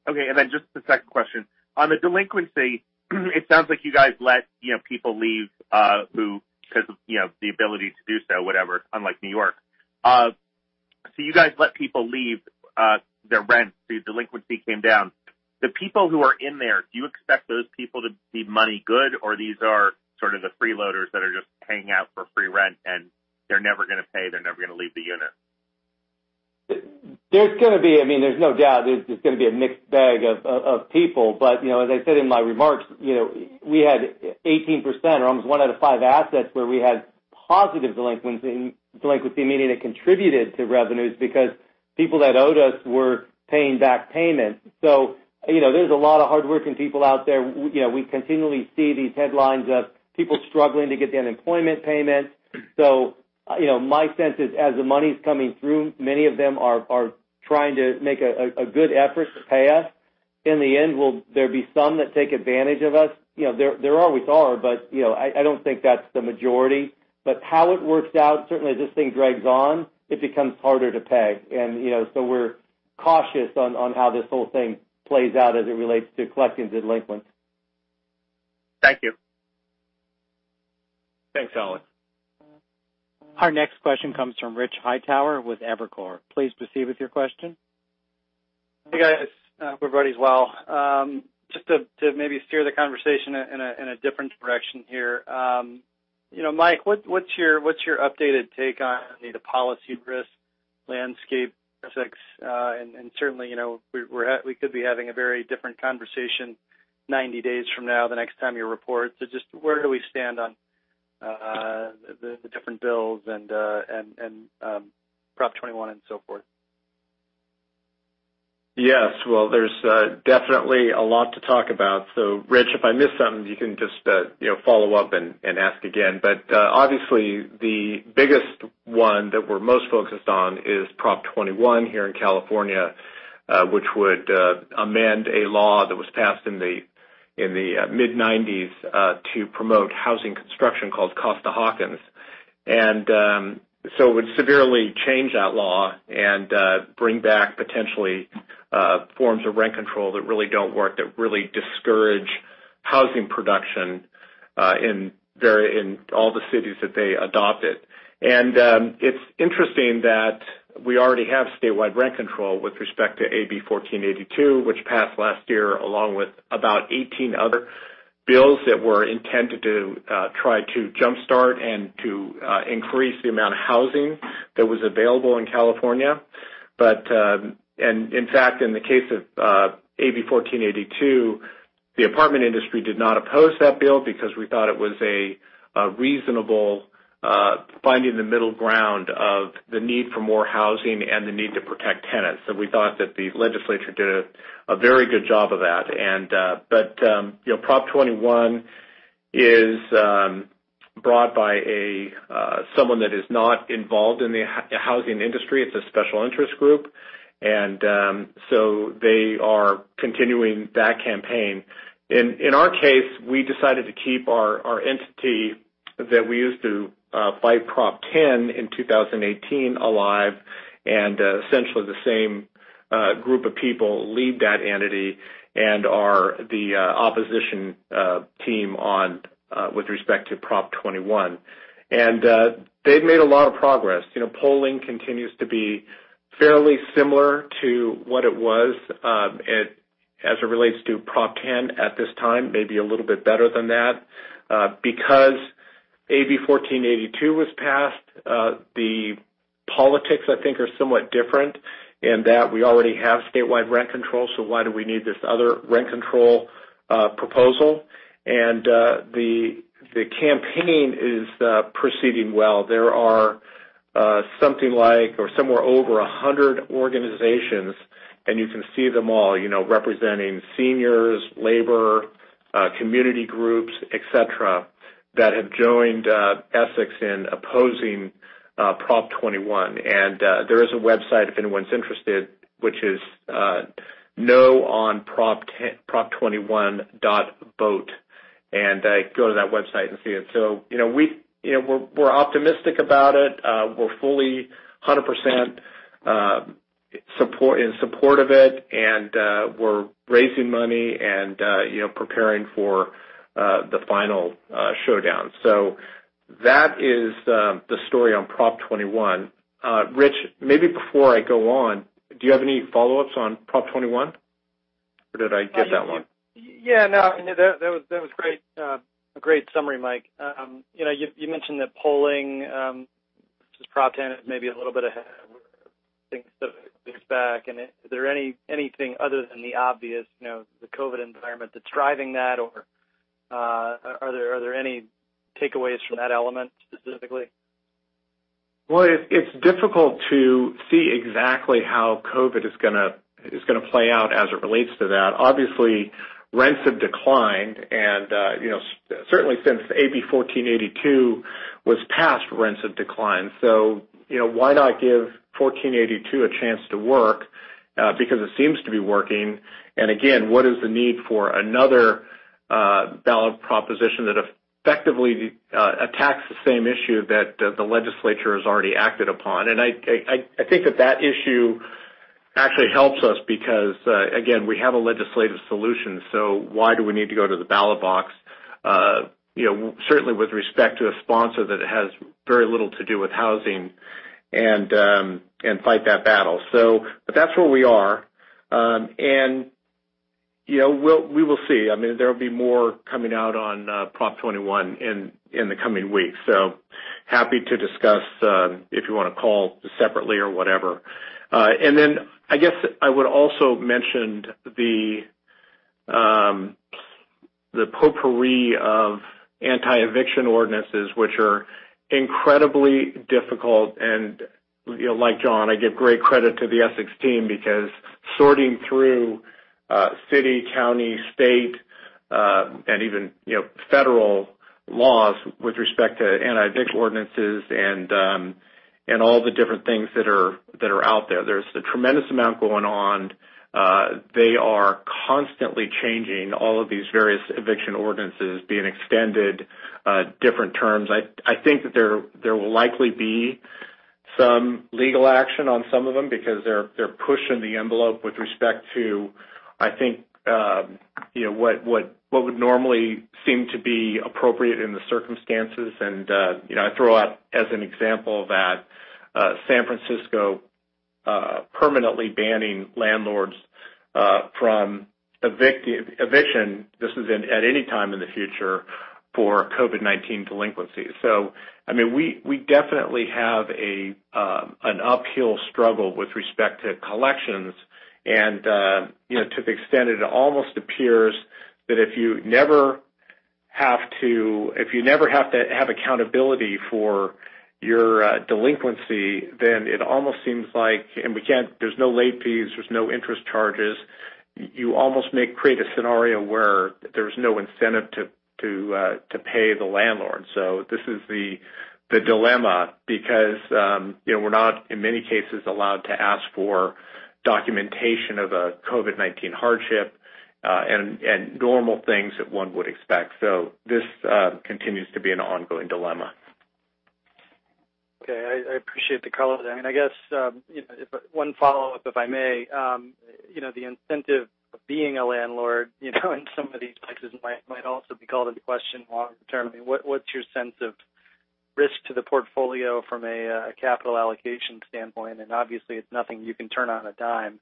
Okay. Just the second question. On the delinquency, it sounds like you guys let people leave who, because of the ability to do so, whatever, unlike New York. You guys let people leave their rent, the delinquency came down. The people who are in there, do you expect those people to be money good, or these are sort of the freeloaders that are just hanging out for free rent, and they're never going to pay, they're never going to leave the unit? There's no doubt there's just going to be a mixed bag of people. As I said in my remarks, we had 18%, or almost one out of five assets where we had positive delinquency, meaning it contributed to revenues because people that owed us were paying back payments. There's a lot of hardworking people out there. We continually see these headlines of people struggling to get the unemployment payments. My sense is as the money's coming through, many of them are trying to make a good effort to pay us. In the end, will there be some that take advantage of us? There always are, but I don't think that's the majority. How it works out, certainly as this thing drags on, it becomes harder to peg. We're cautious on how this whole thing plays out as it relates to collecting delinquents. Thank you. Thanks, Alex. Our next question comes from Rich Hightower with Evercore. Please proceed with your question. Hey, guys. Hope everybody's well. Just to maybe steer the conversation in a different direction here. Mike, what's your updated take on the policy risk landscape effects? Certainly, we could be having a very different conversation 90 days from now, the next time you report. Just where do we stand on the different bills and Prop 21 and so forth? Yes. Well, there's definitely a lot to talk about. Rich, if I miss something, you can just follow up and ask again. Obviously, the biggest one that we're most focused on is Prop 21 here in California, which would amend a law that was passed in the mid-1990s to promote housing construction called Costa-Hawkins. It would severely change that law and bring back potentially forms of rent control that really don't work, that really discourage housing production in all the cities that they adopt it. It's interesting that we already have statewide rent control with respect to AB 1482, which passed last year, along with about 18 other bills that were intended to try to jumpstart and to increase the amount of housing that was available in California. In fact, in the case of AB 1482, the apartment industry did not oppose that bill because we thought it was a reasonable finding the middle ground of the need for more housing and the need to protect tenants. We thought that the legislature did a very good job of that. Prop 21 is brought by someone that is not involved in the housing industry. It's a special interest group. They are continuing that campaign. In our case, we decided to keep our entity that we used to fight Prop 10 in 2018 alive, and essentially the same group of people lead that entity and are the opposition team with respect to Prop 21. They've made a lot of progress. Polling continues to be fairly similar to what it was as it relates to Prop 10 at this time, maybe a little bit better than that. AB 1482 was passed, the politics, I think, are somewhat different in that we already have statewide rent control, so why do we need this other rent control proposal? The campaign is proceeding well. There are something like, or somewhere over 100 organizations, and you can see them all, representing seniors, labor, community groups, et cetera, that have joined Essex in opposing Prop 21. There is a website, if anyone's interested, which is noonprop21.vote. Go to that website and see it. We're optimistic about it. We're fully 100% in support of it, and we're raising money and preparing for the final showdown. That is the story on Prop 21. Rich, maybe before I go on, do you have any follow-ups on Prop 21, or did I get that one? Yeah, no. That was a great summary, Mike. You mentioned that polling, which is Proposition 10, is maybe a little bit ahead where things have pushed back. Is there anything other than the obvious, the COVID environment, that's driving that, or are there any takeaways from that element specifically? Well, it's difficult to see exactly how COVID is going to play out as it relates to that. Obviously, rents have declined, and certainly since AB 1482 was passed, rents have declined. Why not give 1482 a chance to work? Because it seems to be working, and again, what is the need for another ballot proposition that effectively attacks the same issue that the legislature has already acted upon? I think that that issue actually helps us because, again, we have a legislative solution, why do we need to go to the ballot box, certainly with respect to a sponsor that has very little to do with housing, and fight that battle. That's where we are. We will see. There'll be more coming out on Proposition 21 in the coming weeks. Happy to discuss if you want to call separately or whatever. I guess I would also mention the potpourri of anti-eviction ordinances, which are incredibly difficult, and like John, I give great credit to the Essex team because sorting through city, county, state, and even federal laws with respect to anti-eviction ordinances and all the different things that are out there. There's a tremendous amount going on. They are constantly changing all of these various eviction ordinances being extended different terms. I think that there will likely be some legal action on some of them because they're pushing the envelope with respect to, I think, what would normally seem to be appropriate in the circumstances. I throw out as an example that San Francisco permanently banning landlords from eviction, this is at any time in the future, for COVID-19 delinquencies. We definitely have an uphill struggle with respect to collections, and to the extent it almost appears that if you never have to have accountability for your delinquency, then it almost seems like. There's no late fees, there's no interest charges. You almost may create a scenario where there's no incentive to pay the landlord. This is the dilemma because we're not, in many cases, allowed to ask for documentation of a COVID-19 hardship and normal things that one would expect. This continues to be an ongoing dilemma. I appreciate the color there. I guess one follow-up, if I may. The incentive of being a landlord, in some of these places might also be called into question longer term. What's your sense of risk to the portfolio from a capital allocation standpoint? Obviously, it's nothing you can turn on a dime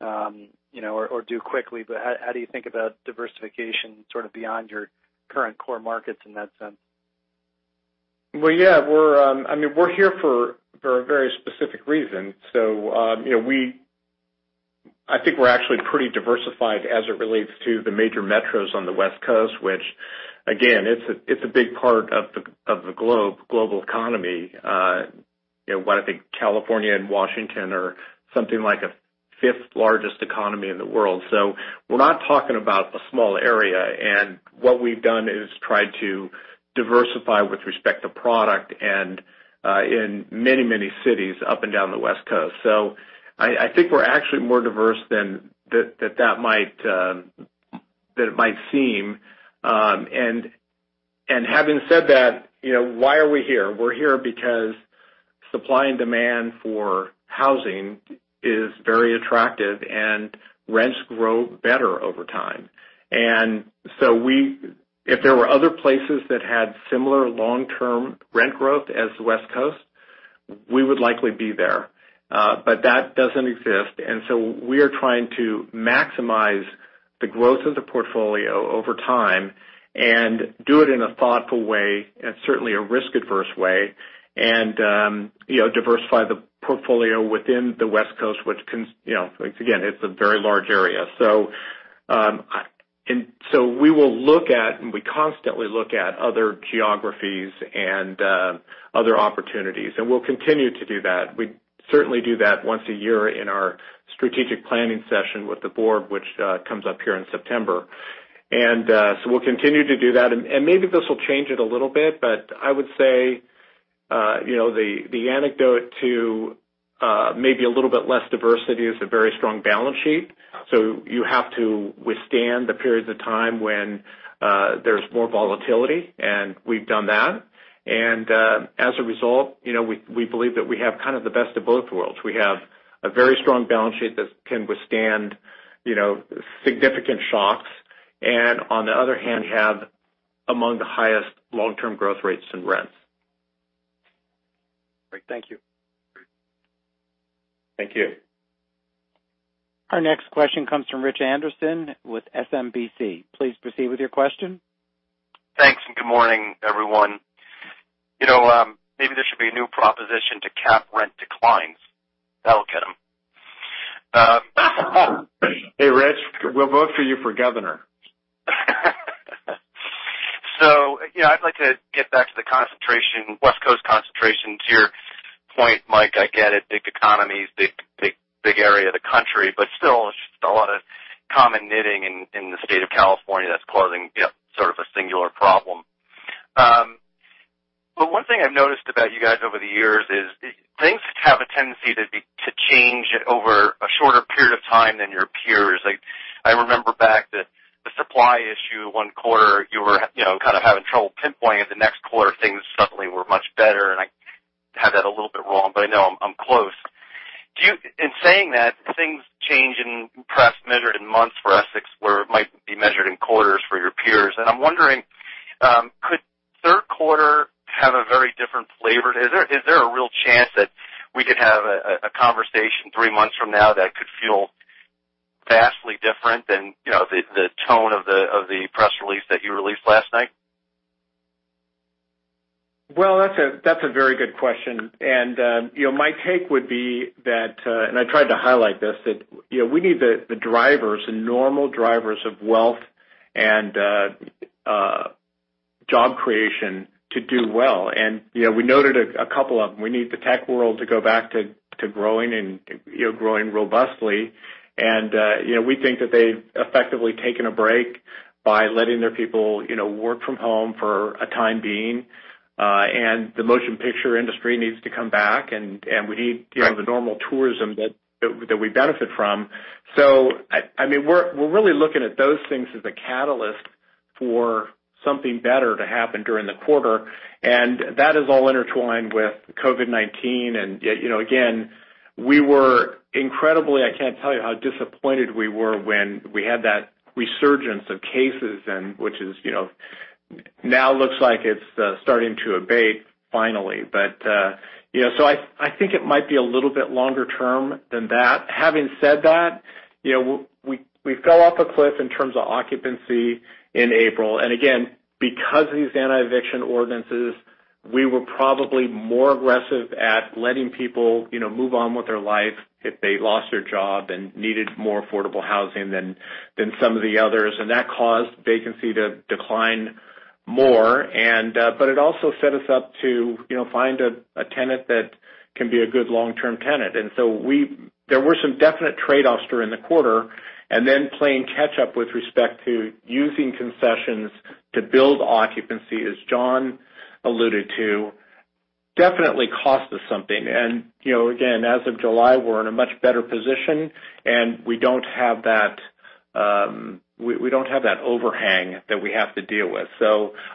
or do quickly, but how do you think about diversification sort of beyond your current core markets in that sense? Yeah. We're here for a very specific reason. I think we're actually pretty diversified as it relates to the major metros on the West Coast, which again, it's a big part of the globe, global economy. What I think California and Washington are something like a fifth largest economy in the world. We're not talking about a small area, and what we've done is tried to diversify with respect to product and in many cities up and down the West Coast. I think we're actually more diverse than it might seem. Having said that, why are we here? We're here because supply and demand for housing is very attractive, and rents grow better over time. If there were other places that had similar long-term rent growth as the West Coast, we would likely be there. That doesn't exist. We are trying to maximize the growth of the portfolio over time and do it in a thoughtful way, and certainly a risk-averse way. Diversify the portfolio within the West Coast, which again, it's a very large area. We will look at, and we constantly look at other geographies and other opportunities, and we'll continue to do that. We certainly do that once a year in our strategic planning session with the board, which comes up here in September. We'll continue to do that, and maybe this will change it a little bit, but I would say, the anecdote to maybe a little bit less diversity is a very strong balance sheet. You have to withstand the periods of time when there's more volatility, and we've done that. As a result, we believe that we have kind of the best of both worlds. We have a very strong balance sheet that can withstand significant shocks, and on the other hand, have among the highest long-term growth rates in rents. Great. Thank you. Thank you. Our next question comes from Rich Anderson with SMBC. Please proceed with your question. Thanks. Good morning, everyone. Maybe there should be a new Proposition to cap rent declines. That'll get them. Hey, Rich. We'll vote for you for governor. I'd like to get back to the West Coast concentration. To your point, Mike, I get it. Big economies, big area of the country, but still, it's just a lot of common knitting in the state of California that's causing sort of a singular problem. One thing I've noticed about you guys over the years is things have a tendency to change over a shorter period of time than your peers. I remember back that the supply issue, one quarter you were kind of having trouble pinpointing, and the next quarter, things suddenly were much better. I have that a little bit wrong, but I know I'm close. In saying that, things change and perhaps measured in months for Essex, where it might be measured in quarters for your peers. I'm wondering, could third quarter have a very different flavor? Is there a real chance that we could have a conversation three months from now that could feel vastly different than the tone of the press release that you released last night? Well, that's a very good question, and my take would be that, and I tried to highlight this, that we need the drivers, the normal drivers of wealth and job creation to do well. We noted a couple of them. We need the tech world to go back to growing and growing robustly. We think that they've effectively taken a break by letting their people work from home for a time being. The motion picture industry needs to come back the normal tourism that we benefit from. We're really looking at those things as a catalyst for something better to happen during the quarter. That is all intertwined with COVID-19. Again, we were incredibly I can't tell you how disappointed we were when we had that resurgence of cases and which now looks like it's starting to abate finally. I think it might be a little bit longer term than that. Having said that, we fell off a cliff in terms of occupancy in April. Again, because of these anti-eviction ordinances, we were probably more aggressive at letting people move on with their life if they lost their job and needed more affordable housing than some of the others. That caused vacancy to decline more. It also set us up to find a tenant that can be a good long-term tenant. There were some definite trade-offs during the quarter, and then playing catch up with respect to using concessions to build occupancy, as John alluded to, definitely cost us something. Again, as of July, we're in a much better position, and we don't have that overhang that we have to deal with.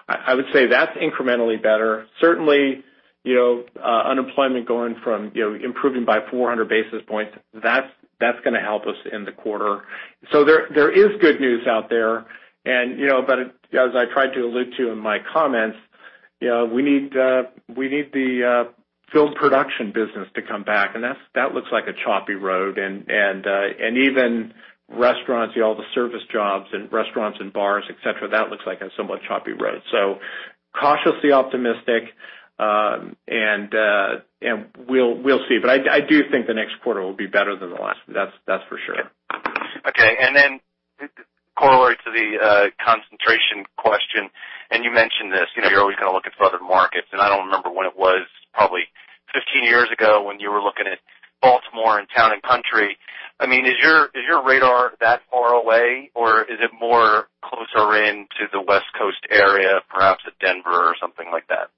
I would say that's incrementally better. Certainly, unemployment going from improving by 400 basis points, that's going to help us in the quarter. There is good news out there. As I tried to allude to in my comments, we need the field production business to come back, and that looks like a choppy road. Even restaurants, all the service jobs in restaurants and bars, et cetera, that looks like a somewhat choppy road. Cautiously optimistic, and we'll see but I do think the next quarter will be better than the last, that's for sure. Okay. Correlate to the concentration question, and you mentioned this, you're always going to look at other markets, and I don't remember when it was, probably 15 years ago, when you were looking at Baltimore and Town & Country. Is your radar that far away, or is it more closer in to the West Coast area, perhaps at Denver or something like that?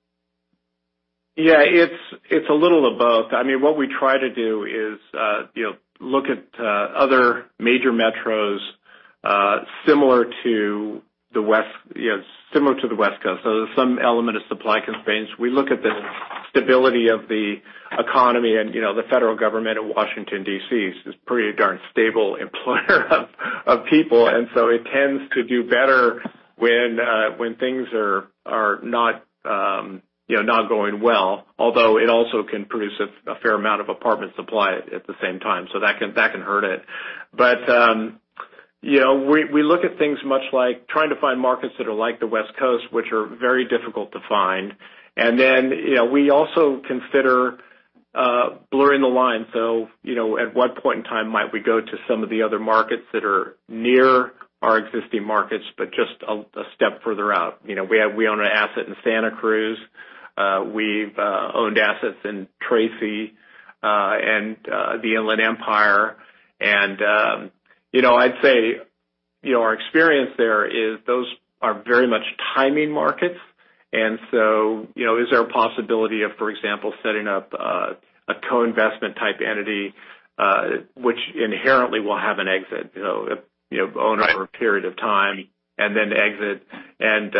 Yeah, it's a little of both. What we try to do is look at other major metros similar to the West Coast. There's some element of supply constraints. We look at the stability of the economy and the federal government of Washington, D.C., is a pretty darn stable employer of people. It tends to do better when things are not going well, although it also can produce a fair amount of apartment supply at the same time. That can hurt it. We look at things much like trying to find markets that are like the West Coast, which are very difficult to find. We also consider blurring the line. At what point in time might we go to some of the other markets that are near our existing markets, but just a step further out? We own an asset in Santa Cruz. We've owned assets in Tracy, and the Inland Empire, and I'd say our experience there is those are very much timing markets. Is there a possibility of, for example, setting up a co-investment type entity, which inherently will have an exit. Right. Own it for a period of time and then exit and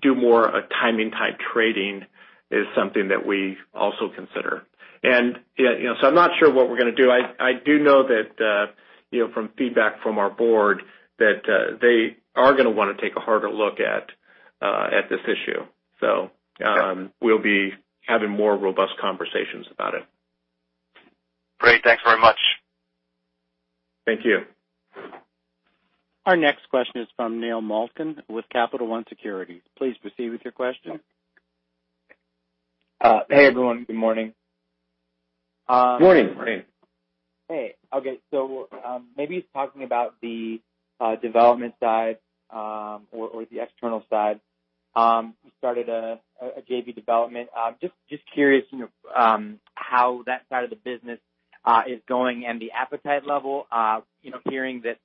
do more a timing-type trading is something that we also consider. I'm not sure what we're going to do. I do know that from feedback from our board, that they are going to want to take a harder look at this issue. So we'll be having more robust conversations about it. Great. Thanks very much. Thank you. Our next question is from Neil Malkin with Capital One Securities. Please proceed with your question. Hey, everyone. Good morning. Morning. Morning. Hey. Okay, maybe talking about the development side, or the external side. You started a JV development. Just curious how that side of the business is going and the appetite level, hearing that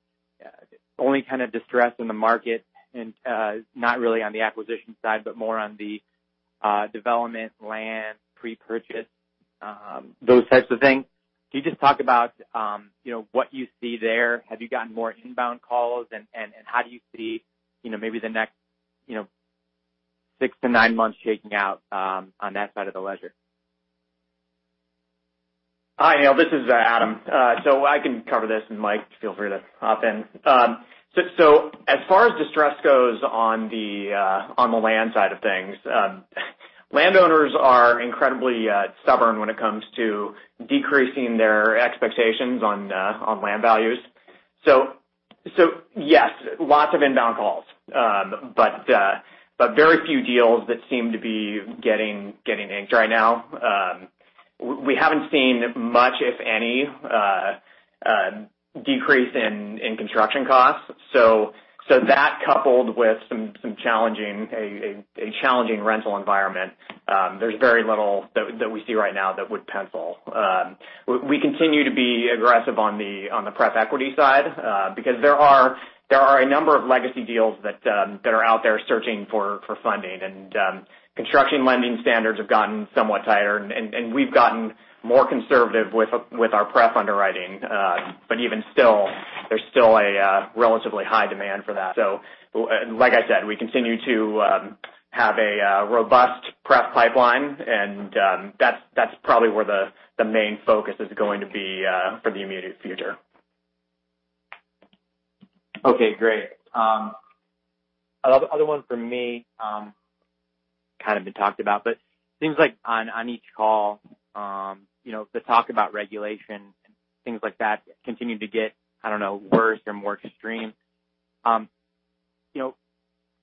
only kind of distress in the market and not really on the acquisition side, but more on the development, land, pre-purchase, those types of things. Can you just talk about what you see there? Have you gotten more inbound calls, how do you see maybe the next six to nine months shaking out on that side of the ledger? Hi, Neil. This is Adam. I can cover this, and Mike, feel free to hop in. As far as distress goes on the land side of things, landowners are incredibly stubborn when it comes to decreasing their expectations on land values. Yes, lots of inbound calls. Very few deals that seem to be getting inked right now. We haven't seen much, if any, decrease in construction costs. That coupled with a challenging rental environment, there's very little that we see right now that would pencil. We continue to be aggressive on the pref equity side because there are a number of legacy deals that are out there searching for funding, and construction lending standards have gotten somewhat tighter, and we've gotten more conservative with our pref underwriting. Even still, there's still a relatively high demand for that. Like I said, we continue to have a robust prep pipeline, and that's probably where the main focus is going to be for the immediate future. Okay, great. Things like on each call, the talk about regulation and things like that continue to get, I don't know, worse or more extreme.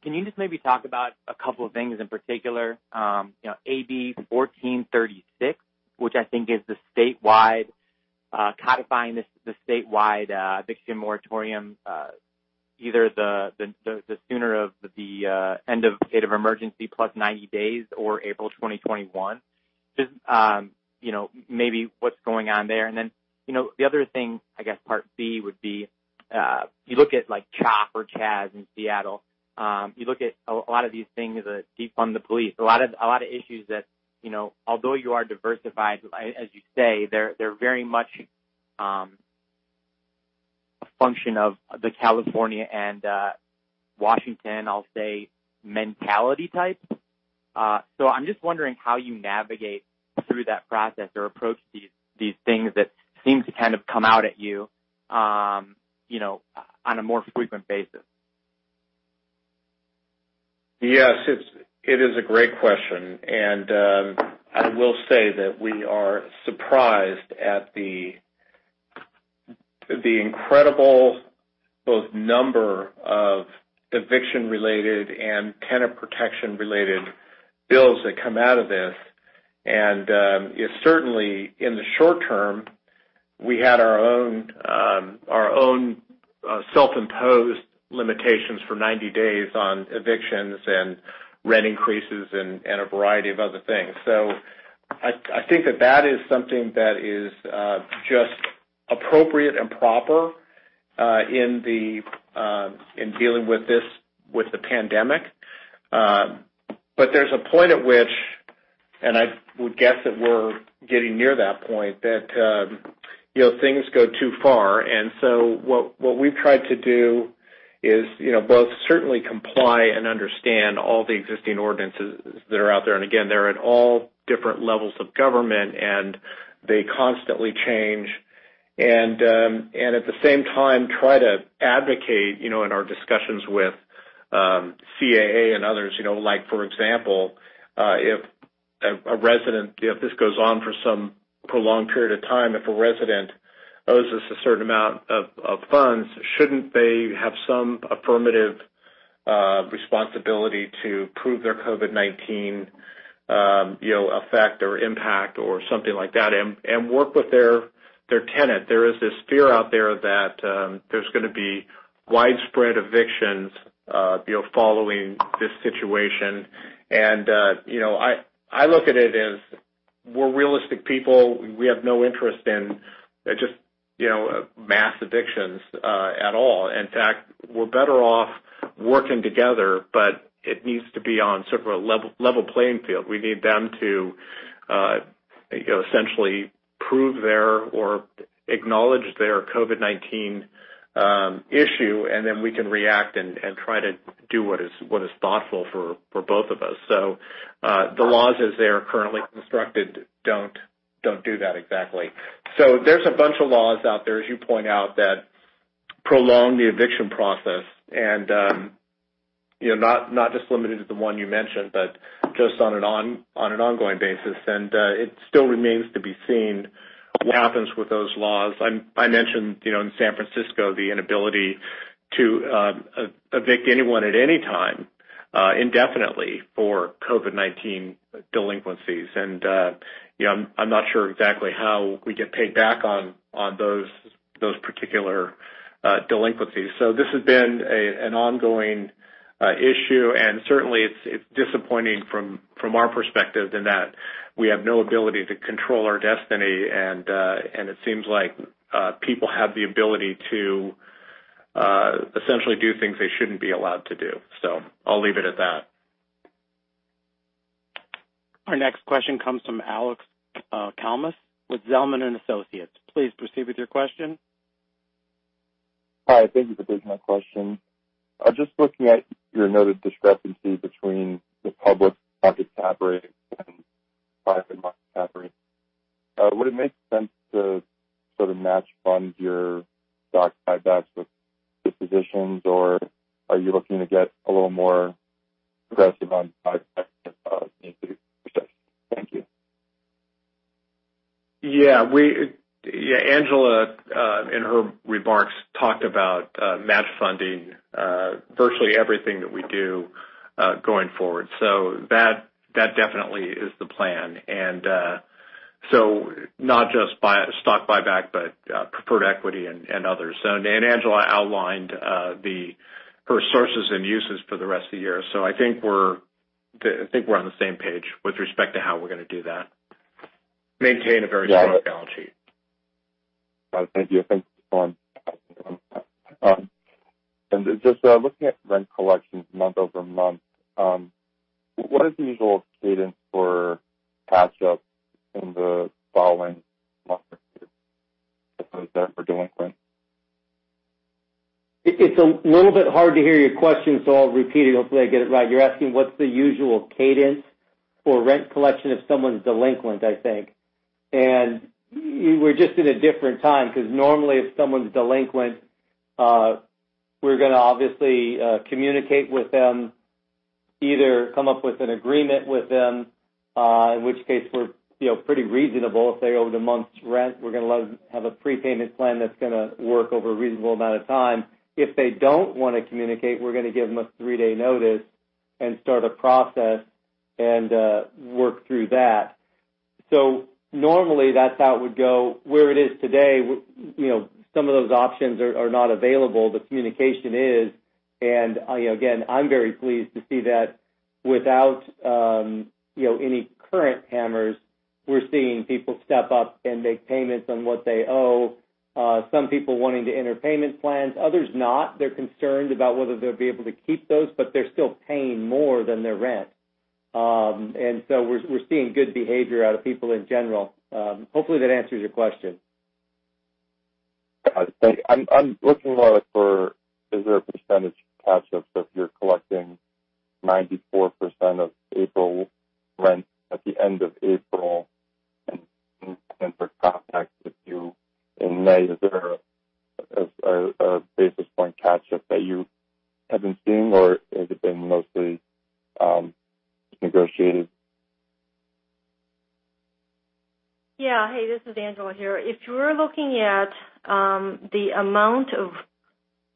Can you just maybe talk about a couple of things in particular? AB 1436, which I think is the statewide codifying, the statewide eviction moratorium either the sooner of the end of state of emergency plus 90 days or April 2021. Just maybe what's going on there. The other thing, I guess part B, would be, you look at like CHOP in Seattle. You look at a lot of these things, defund the police, a lot of issues that although you are diversified, as you say, they're very much A function of the California and Washington, I'll say, mentality type. I'm just wondering how you navigate through that process or approach these things that seem to kind of come out at you on a more frequent basis. Yes, it is a great question. I will say that we are surprised at the incredible both number of eviction-related and tenant protection-related bills that come out of this. Certainly in the short term, we had our own self-imposed limitations for 90 days on evictions and rent increases and a variety of other things. I think that is something that is just appropriate and proper in dealing with the pandemic. There's a point at which, and I would guess that we're getting near that point, that things go too far. What we've tried to do is both certainly comply and understand all the existing ordinances that are out there. Again, they're at all different levels of government, and they constantly change. At the same time, try to advocate in our discussions with CAA and others. For example, if this goes on for some prolonged period of time, if a resident owes us a certain amount of funds, shouldn't they have some affirmative responsibility to prove their COVID-19 effect or impact or something like that and work with their tenant? There is this fear out there that there's going to be widespread evictions following this situation. I look at it as we're realistic people. We have no interest in just mass evictions at all. In fact, we're better off working together, but it needs to be on sort of a level playing field. We need them to essentially prove their or acknowledge their COVID-19 issue, and then we can react and try to do what is thoughtful for both of us. The laws as they are currently constructed don't do that exactly. There's a bunch of laws out there, as you point out, that prolong the eviction process and not just limited to the one you mentioned, but just on an ongoing basis. It still remains to be seen what happens with those laws. I mentioned, in San Francisco, the inability to evict anyone at any time indefinitely for COVID-19 delinquencies. I'm not sure exactly how we get paid back on those particular delinquencies. This has been an ongoing issue, and certainly it's disappointing from our perspective in that we have no ability to control our destiny. It seems like people have the ability to essentially do things they shouldn't be allowed to do. I'll leave it at that. Our next question comes from Alex Kalmus with Zelman & Associates. Please proceed with your question. Hi, thank you for taking my question. Just looking at your noted discrepancy between the public market cap rate and private market cap rate. Would it make sense to sort of match fund your stock buybacks with dispositions, or are you looking to get a little more aggressive on stock? Thank you. Yeah. Angela, in her remarks, talked about match funding virtually everything that we do going forward. That definitely is the plan. Not just stock buyback, but preferred equity and others. Ang0ela outlined her sources and uses for the rest of the year. I think we're on the same page with respect to how we're going to do that. Maintain a very strong balance sheet. Got i`t. Thank you. Thanks, John. Just looking at rent collections month-over-month, what is the usual cadence for catch-up in the following month or two if those are delinquent? It's a little bit hard to hear your question, so I'll repeat it. Hopefully, I get it right. You're asking what's the usual cadence for rent collection if someone's delinquent, I think. We're just in a different time because normally if someone's delinquent, we're going to obviously communicate with them, either come up with an agreement with them, in which case we're pretty reasonable. If they owe the month's rent, we're going to let them have a prepayment plan that's going to work over a reasonable amount of time. If they don't want to communicate, we're going to give them a three-day notice and start a process and work through that. Normally, that's how it would go. Where it is today, some of those options are not available. The communication is, again, I'm very pleased to see that without any current hammers, we're seeing people step up and make payments on what they owe. Some people wanting to enter payment plans, others not. They're concerned about whether they'll be able to keep those, but they're still paying more than their rent. We're seeing good behavior out of people in general. Hopefully that answers your question. Yeah. I'm looking more for, is there a percentage catch-up, so if you're collecting 94% of April rent at the end of April, and for context, if you in May, is there a basis point catch-up that you have been seeing, or has it been mostly negotiated? Yeah. Hey, this is Angela here. If you are looking at the amount of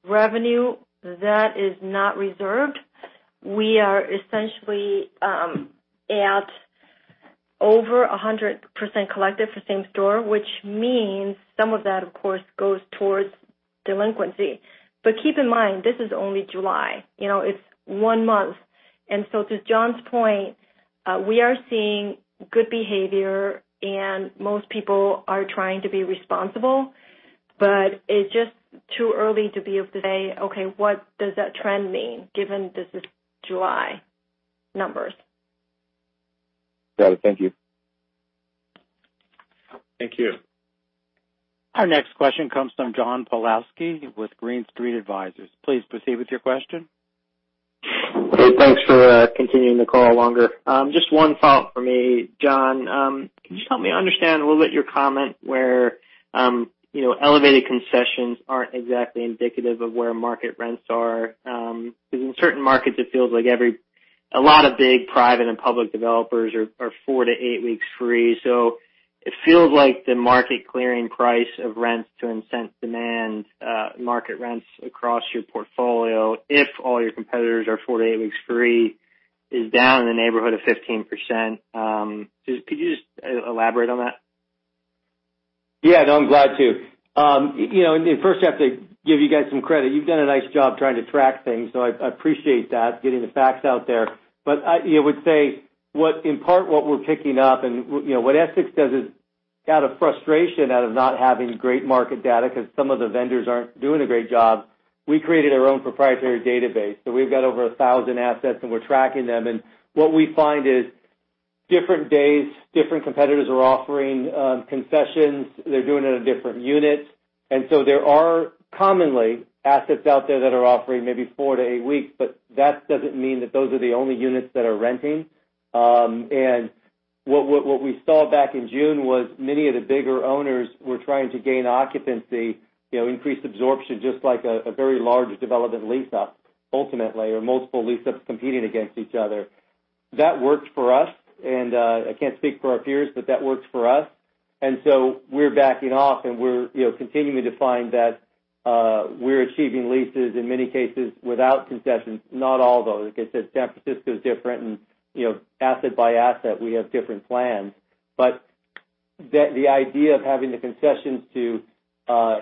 revenue that is not reserved, we are essentially at over 100% collective for same store, which means some of that, of course, goes towards delinquency. Keep in mind, this is only July. It's one month. To John's point, we are seeing good behavior, and most people are trying to be responsible, it's just too early to be able to say, okay, what does that trend mean given this is July numbers. Got it. Thank you. Thank you. Our next question comes from John Pawlowski with Green Street Advisors. Please proceed with your question. Hey, thanks for continuing the call longer. Just one thought for me. John, can you just help me understand a little bit your comment where elevated concessions aren't exactly indicative of where market rents are, because in certain markets, it feels like a lot of big private and public developers are four to eight weeks free. It feels like the market clearing price of rents to incent demand, market rents across your portfolio, if all your competitors are four to eight weeks free, is down in the neighborhood of 15%. Could you just elaborate on that? Yeah. No, I'm glad to. First I have to give you guys some credit. You've done a nice job trying to track things, so I appreciate that, getting the facts out there. I would say, in part, what we're picking up and what Essex does is out of frustration, out of not having great market data, because some of the vendors aren't doing a great job. We created our own proprietary database. We've got over 1,000 assets, and we're tracking them, and what we find is different days, different competitors are offering concessions. They're doing it in different units. There are commonly assets out there that are offering maybe four to eight weeks, but that doesn't mean that those are the only units that are renting. What we saw back in June was many of the bigger owners were trying to gain occupancy, increase absorption, just like a very large development lease-up ultimately, or multiple lease-ups competing against each other. That worked for us, and I can't speak for our peers, but that worked for us. We're backing off, and we're continuing to find that we're achieving leases in many cases without concessions. Not all, though. Like I said, San Francisco is different, and asset by asset, we have different plans. The idea of having the concessions to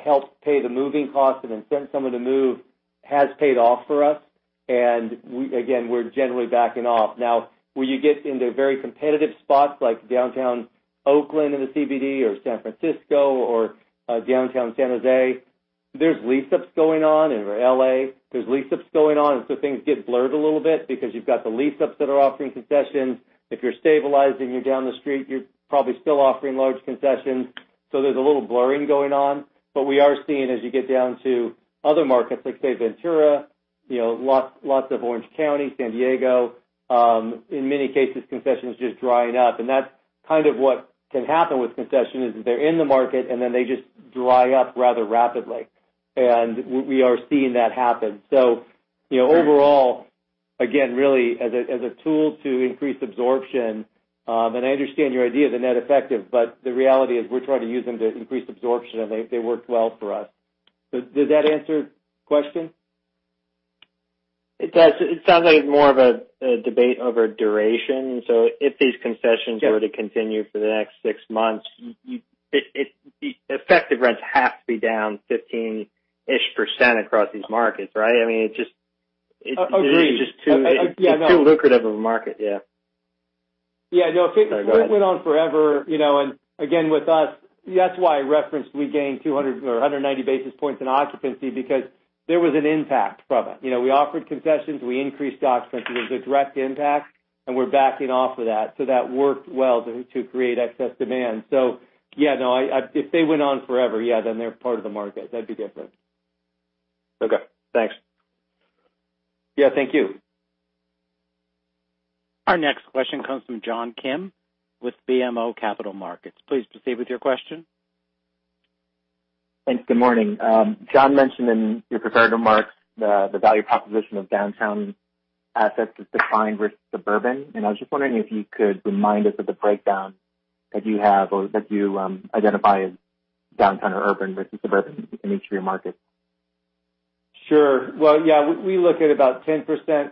help pay the moving costs and incent someone to move has paid off for us, and again, we're generally backing off. Now, where you get into very competitive spots like downtown Oakland in the CBD or San Francisco or downtown San Jose, there's lease-ups going on. L.A., there's lease-ups going on, so things get blurred a little bit because you've got the lease-ups that are offering concessions. If you're stabilizing, you're down the street, you're probably still offering large concessions. There's a little blurring going on. We are seeing as you get down to other markets like, say, Ventura, lots of Orange County, San Diego, in many cases, concessions just drying up. That's kind of what can happen with concessions, is that they're in the market, then they just dry up rather rapidly. We are seeing that happen. Overall, again, really as a tool to increase absorption, I understand your idea of the net effective, the reality is we're trying to use them to increase absorption, they worked well for us. Does that answer your question? It does. It sounds like it's more of a debate over duration. It is confession were to continue for the next six months, effective rents have to be down 15-ish% across these markets, right? I mean. Agreed It's too lucrative of a market, yeah. Yeah, no. Sorry. Go ahead. If it went on forever, and again, with us, that's why I referenced we gained 200 or 190 basis points in occupancy because there was an impact from it. We offered concessions. We increased occupancy. There's a direct impact, and we're backing off of that. That worked well to create excess demand. Yeah. No, if they went on forever, yeah, then they're part of the market. That'd be different. Okay. Thanks. Yeah. Thank you. Our next question comes from John Kim with BMO Capital Markets. Please proceed with your question. Thanks. Good morning. John mentioned in your prepared remarks the value proposition of downtown assets as defined versus suburban, and I was just wondering if you could remind us of the breakdown that you have or that you identify as downtown or urban versus suburban in each of your markets. Sure. Well, yeah, we look at about 10%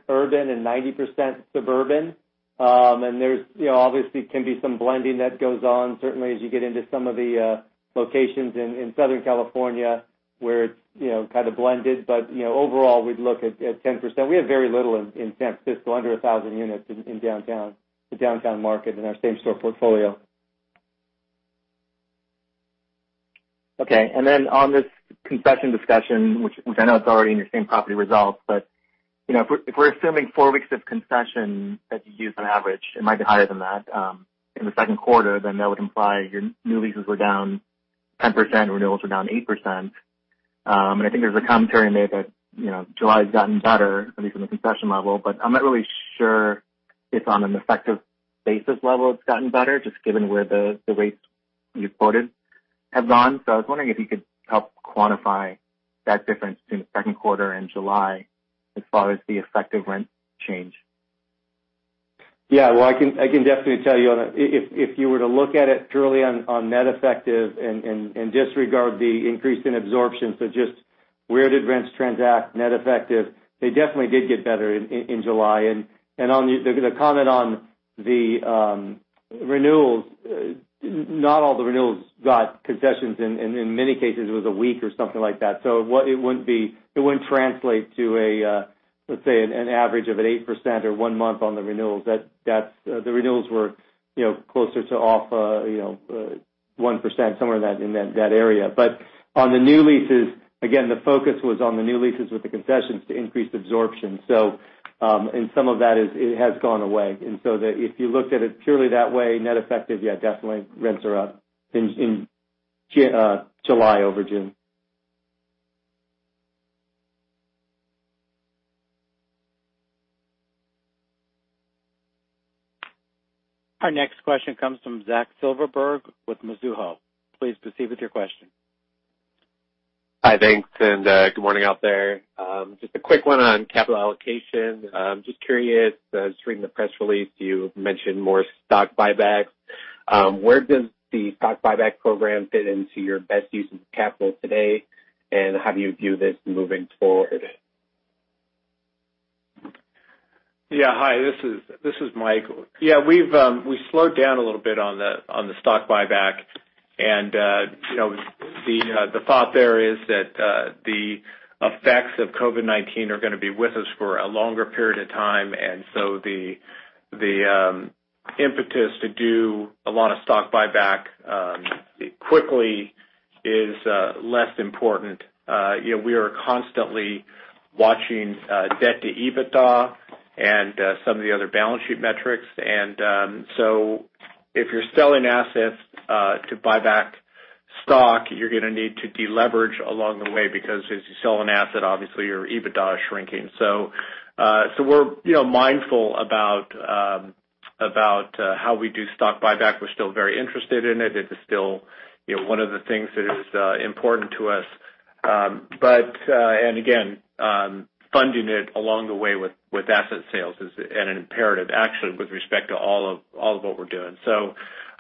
urban and 90% suburban. There obviously can be some blending that goes on, certainly as you get into some of the locations in Southern California where it's kind of blended. Overall, we'd look at 10%. We have very little in San Francisco, under 1,000 units in the downtown market in our same store portfolio. Okay. On this concession discussion, which I know it's already in your same property results, but if we're assuming four weeks of concession that you use on average, it might be higher than that, in the second quarter, then that would imply your new leases were down 10%, renewals were down 8%. I think there's a commentary in there that July's gotten better, at least on the concession level, but I'm not really sure if on an effective basis level it's gotten better, just given where the rates you've quoted have gone. I was wondering if you could help quantify that difference between the second quarter and July as far as the effective rent change. Well, I can definitely tell you on that. If you were to look at it purely on net effective and disregard the increase in absorption, so just where did rents transact net effective, they definitely did get better in July. On the comment on the renewals, not all the renewals got concessions. In many cases, it was a week or something like that. It wouldn't translate to, let's say, an average of an 8% or one month on the renewals. The renewals were closer to off 1%, somewhere in that area. On the new leases, again, the focus was on the new leases with the concessions to increase absorption. Some of that, it has gone away. If you looked at it purely that way, net effective, yeah, definitely rents are up in July over June. Our next question comes from Zach Silverberg with Mizuho. Please proceed with your question. Hi, thanks, good morning out there. Just a quick one on capital allocation. Just curious, I was reading the press release, you mentioned more stock buybacks. Where does the stock buyback program fit into your best use of capital today, and how do you view this moving forward? Yeah. Hi, this is Mike. Yeah, we've slowed down a little bit on the stock buyback. The thought there is that the effects of COVID-19 are going to be with us for a longer period of time. The impetus to do a lot of stock buyback quickly is less important. We are constantly watching debt to EBITDA and some of the other balance sheet metrics. If you're selling assets to buy back stock, you're going to need to deleverage along the way because as you sell an asset, obviously your EBITDA is shrinking. We're mindful about how we do stock buyback. We're still very interested in it. It is still one of the things that is important to us. Again, funding it along the way with asset sales is an imperative, actually, with respect to all of what we're doing.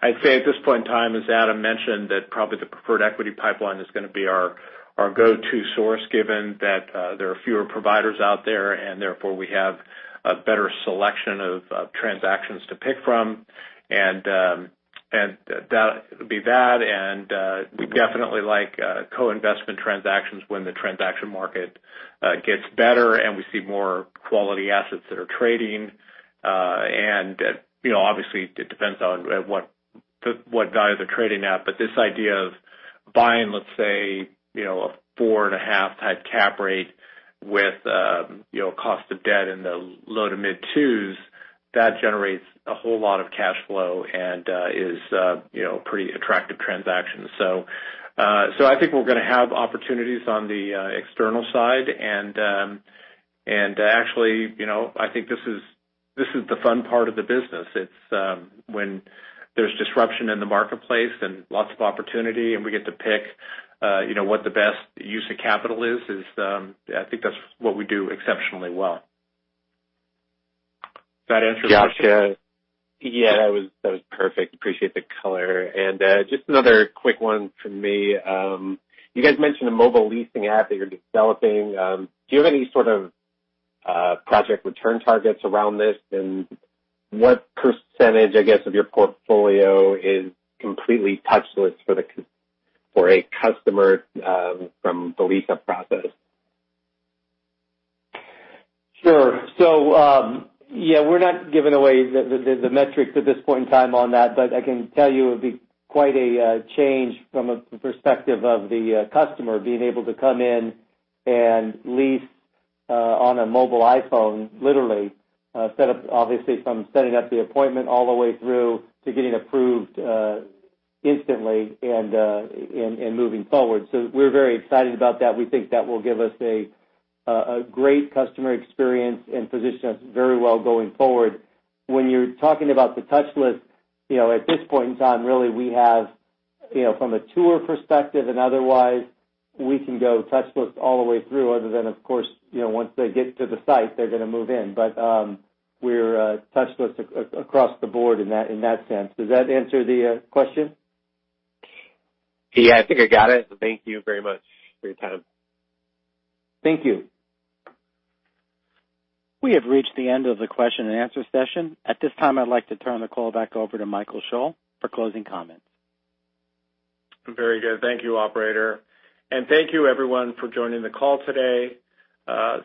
I'd say at this point in time, as Adam mentioned, that probably the preferred equity pipeline is going to be our go-to source, given that there are fewer providers out there and therefore we have a better selection of transactions to pick from. It would be that, and we definitely like co-investment transactions when the transaction market gets better and we see more quality assets that are trading. Obviously it depends on what values they're trading at. This idea of buying, let's say, a 4.5 type cap rate with cost of debt in the low to mid twos, that generates a whole lot of cash flow and is a pretty attractive transaction. I think we're going to have opportunities on the external side, and actually I think this is the fun part of the business. It's when there's disruption in the marketplace and lots of opportunity, and we get to pick what the best use of capital is, I think that's what we do exceptionally well. Does that answer the question? Yeah, that was perfect. Appreciate the color. Just another quick one from me. You guys mentioned a mobile leasing app that you're developing. Do you have any sort of project return targets around this? What percentage, I guess, of your portfolio is completely touchless for a customer from the lease-up process? Sure. Yeah, we're not giving away the metrics at this point in time on that. I can tell you it would be quite a change from a perspective of the customer being able to come in and lease on a mobile iPhone, literally, obviously from setting up the appointment all the way through to getting approved instantly and moving forward. We're very excited about that. We think that will give us a great customer experience and position us very well going forward. When you're talking about the touchless, at this point in time, really we have from a tour perspective and otherwise, we can go touchless all the way through, other than, of course, once they get to the site, they're going to move in. We're touchless across the board in that sense. Does that answer the question? Yeah, I think I got it. Thank you very much for your time. Thank you. We have reached the end of the question-and-answer session. At this time, I'd like to turn the call back over to Michael Schall for closing comments. Very good. Thank you, operator. Thank you everyone for joining the call today.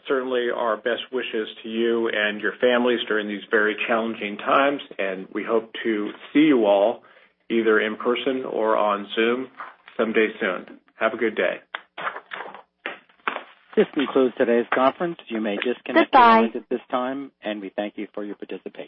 Certainly our best wishes to you and your families during these very challenging times, and we hope to see you all either in person or on Zoom someday soon. Have a good day. This concludes today's conference. You may disconnect your lines at this time, and we thank you for your participation.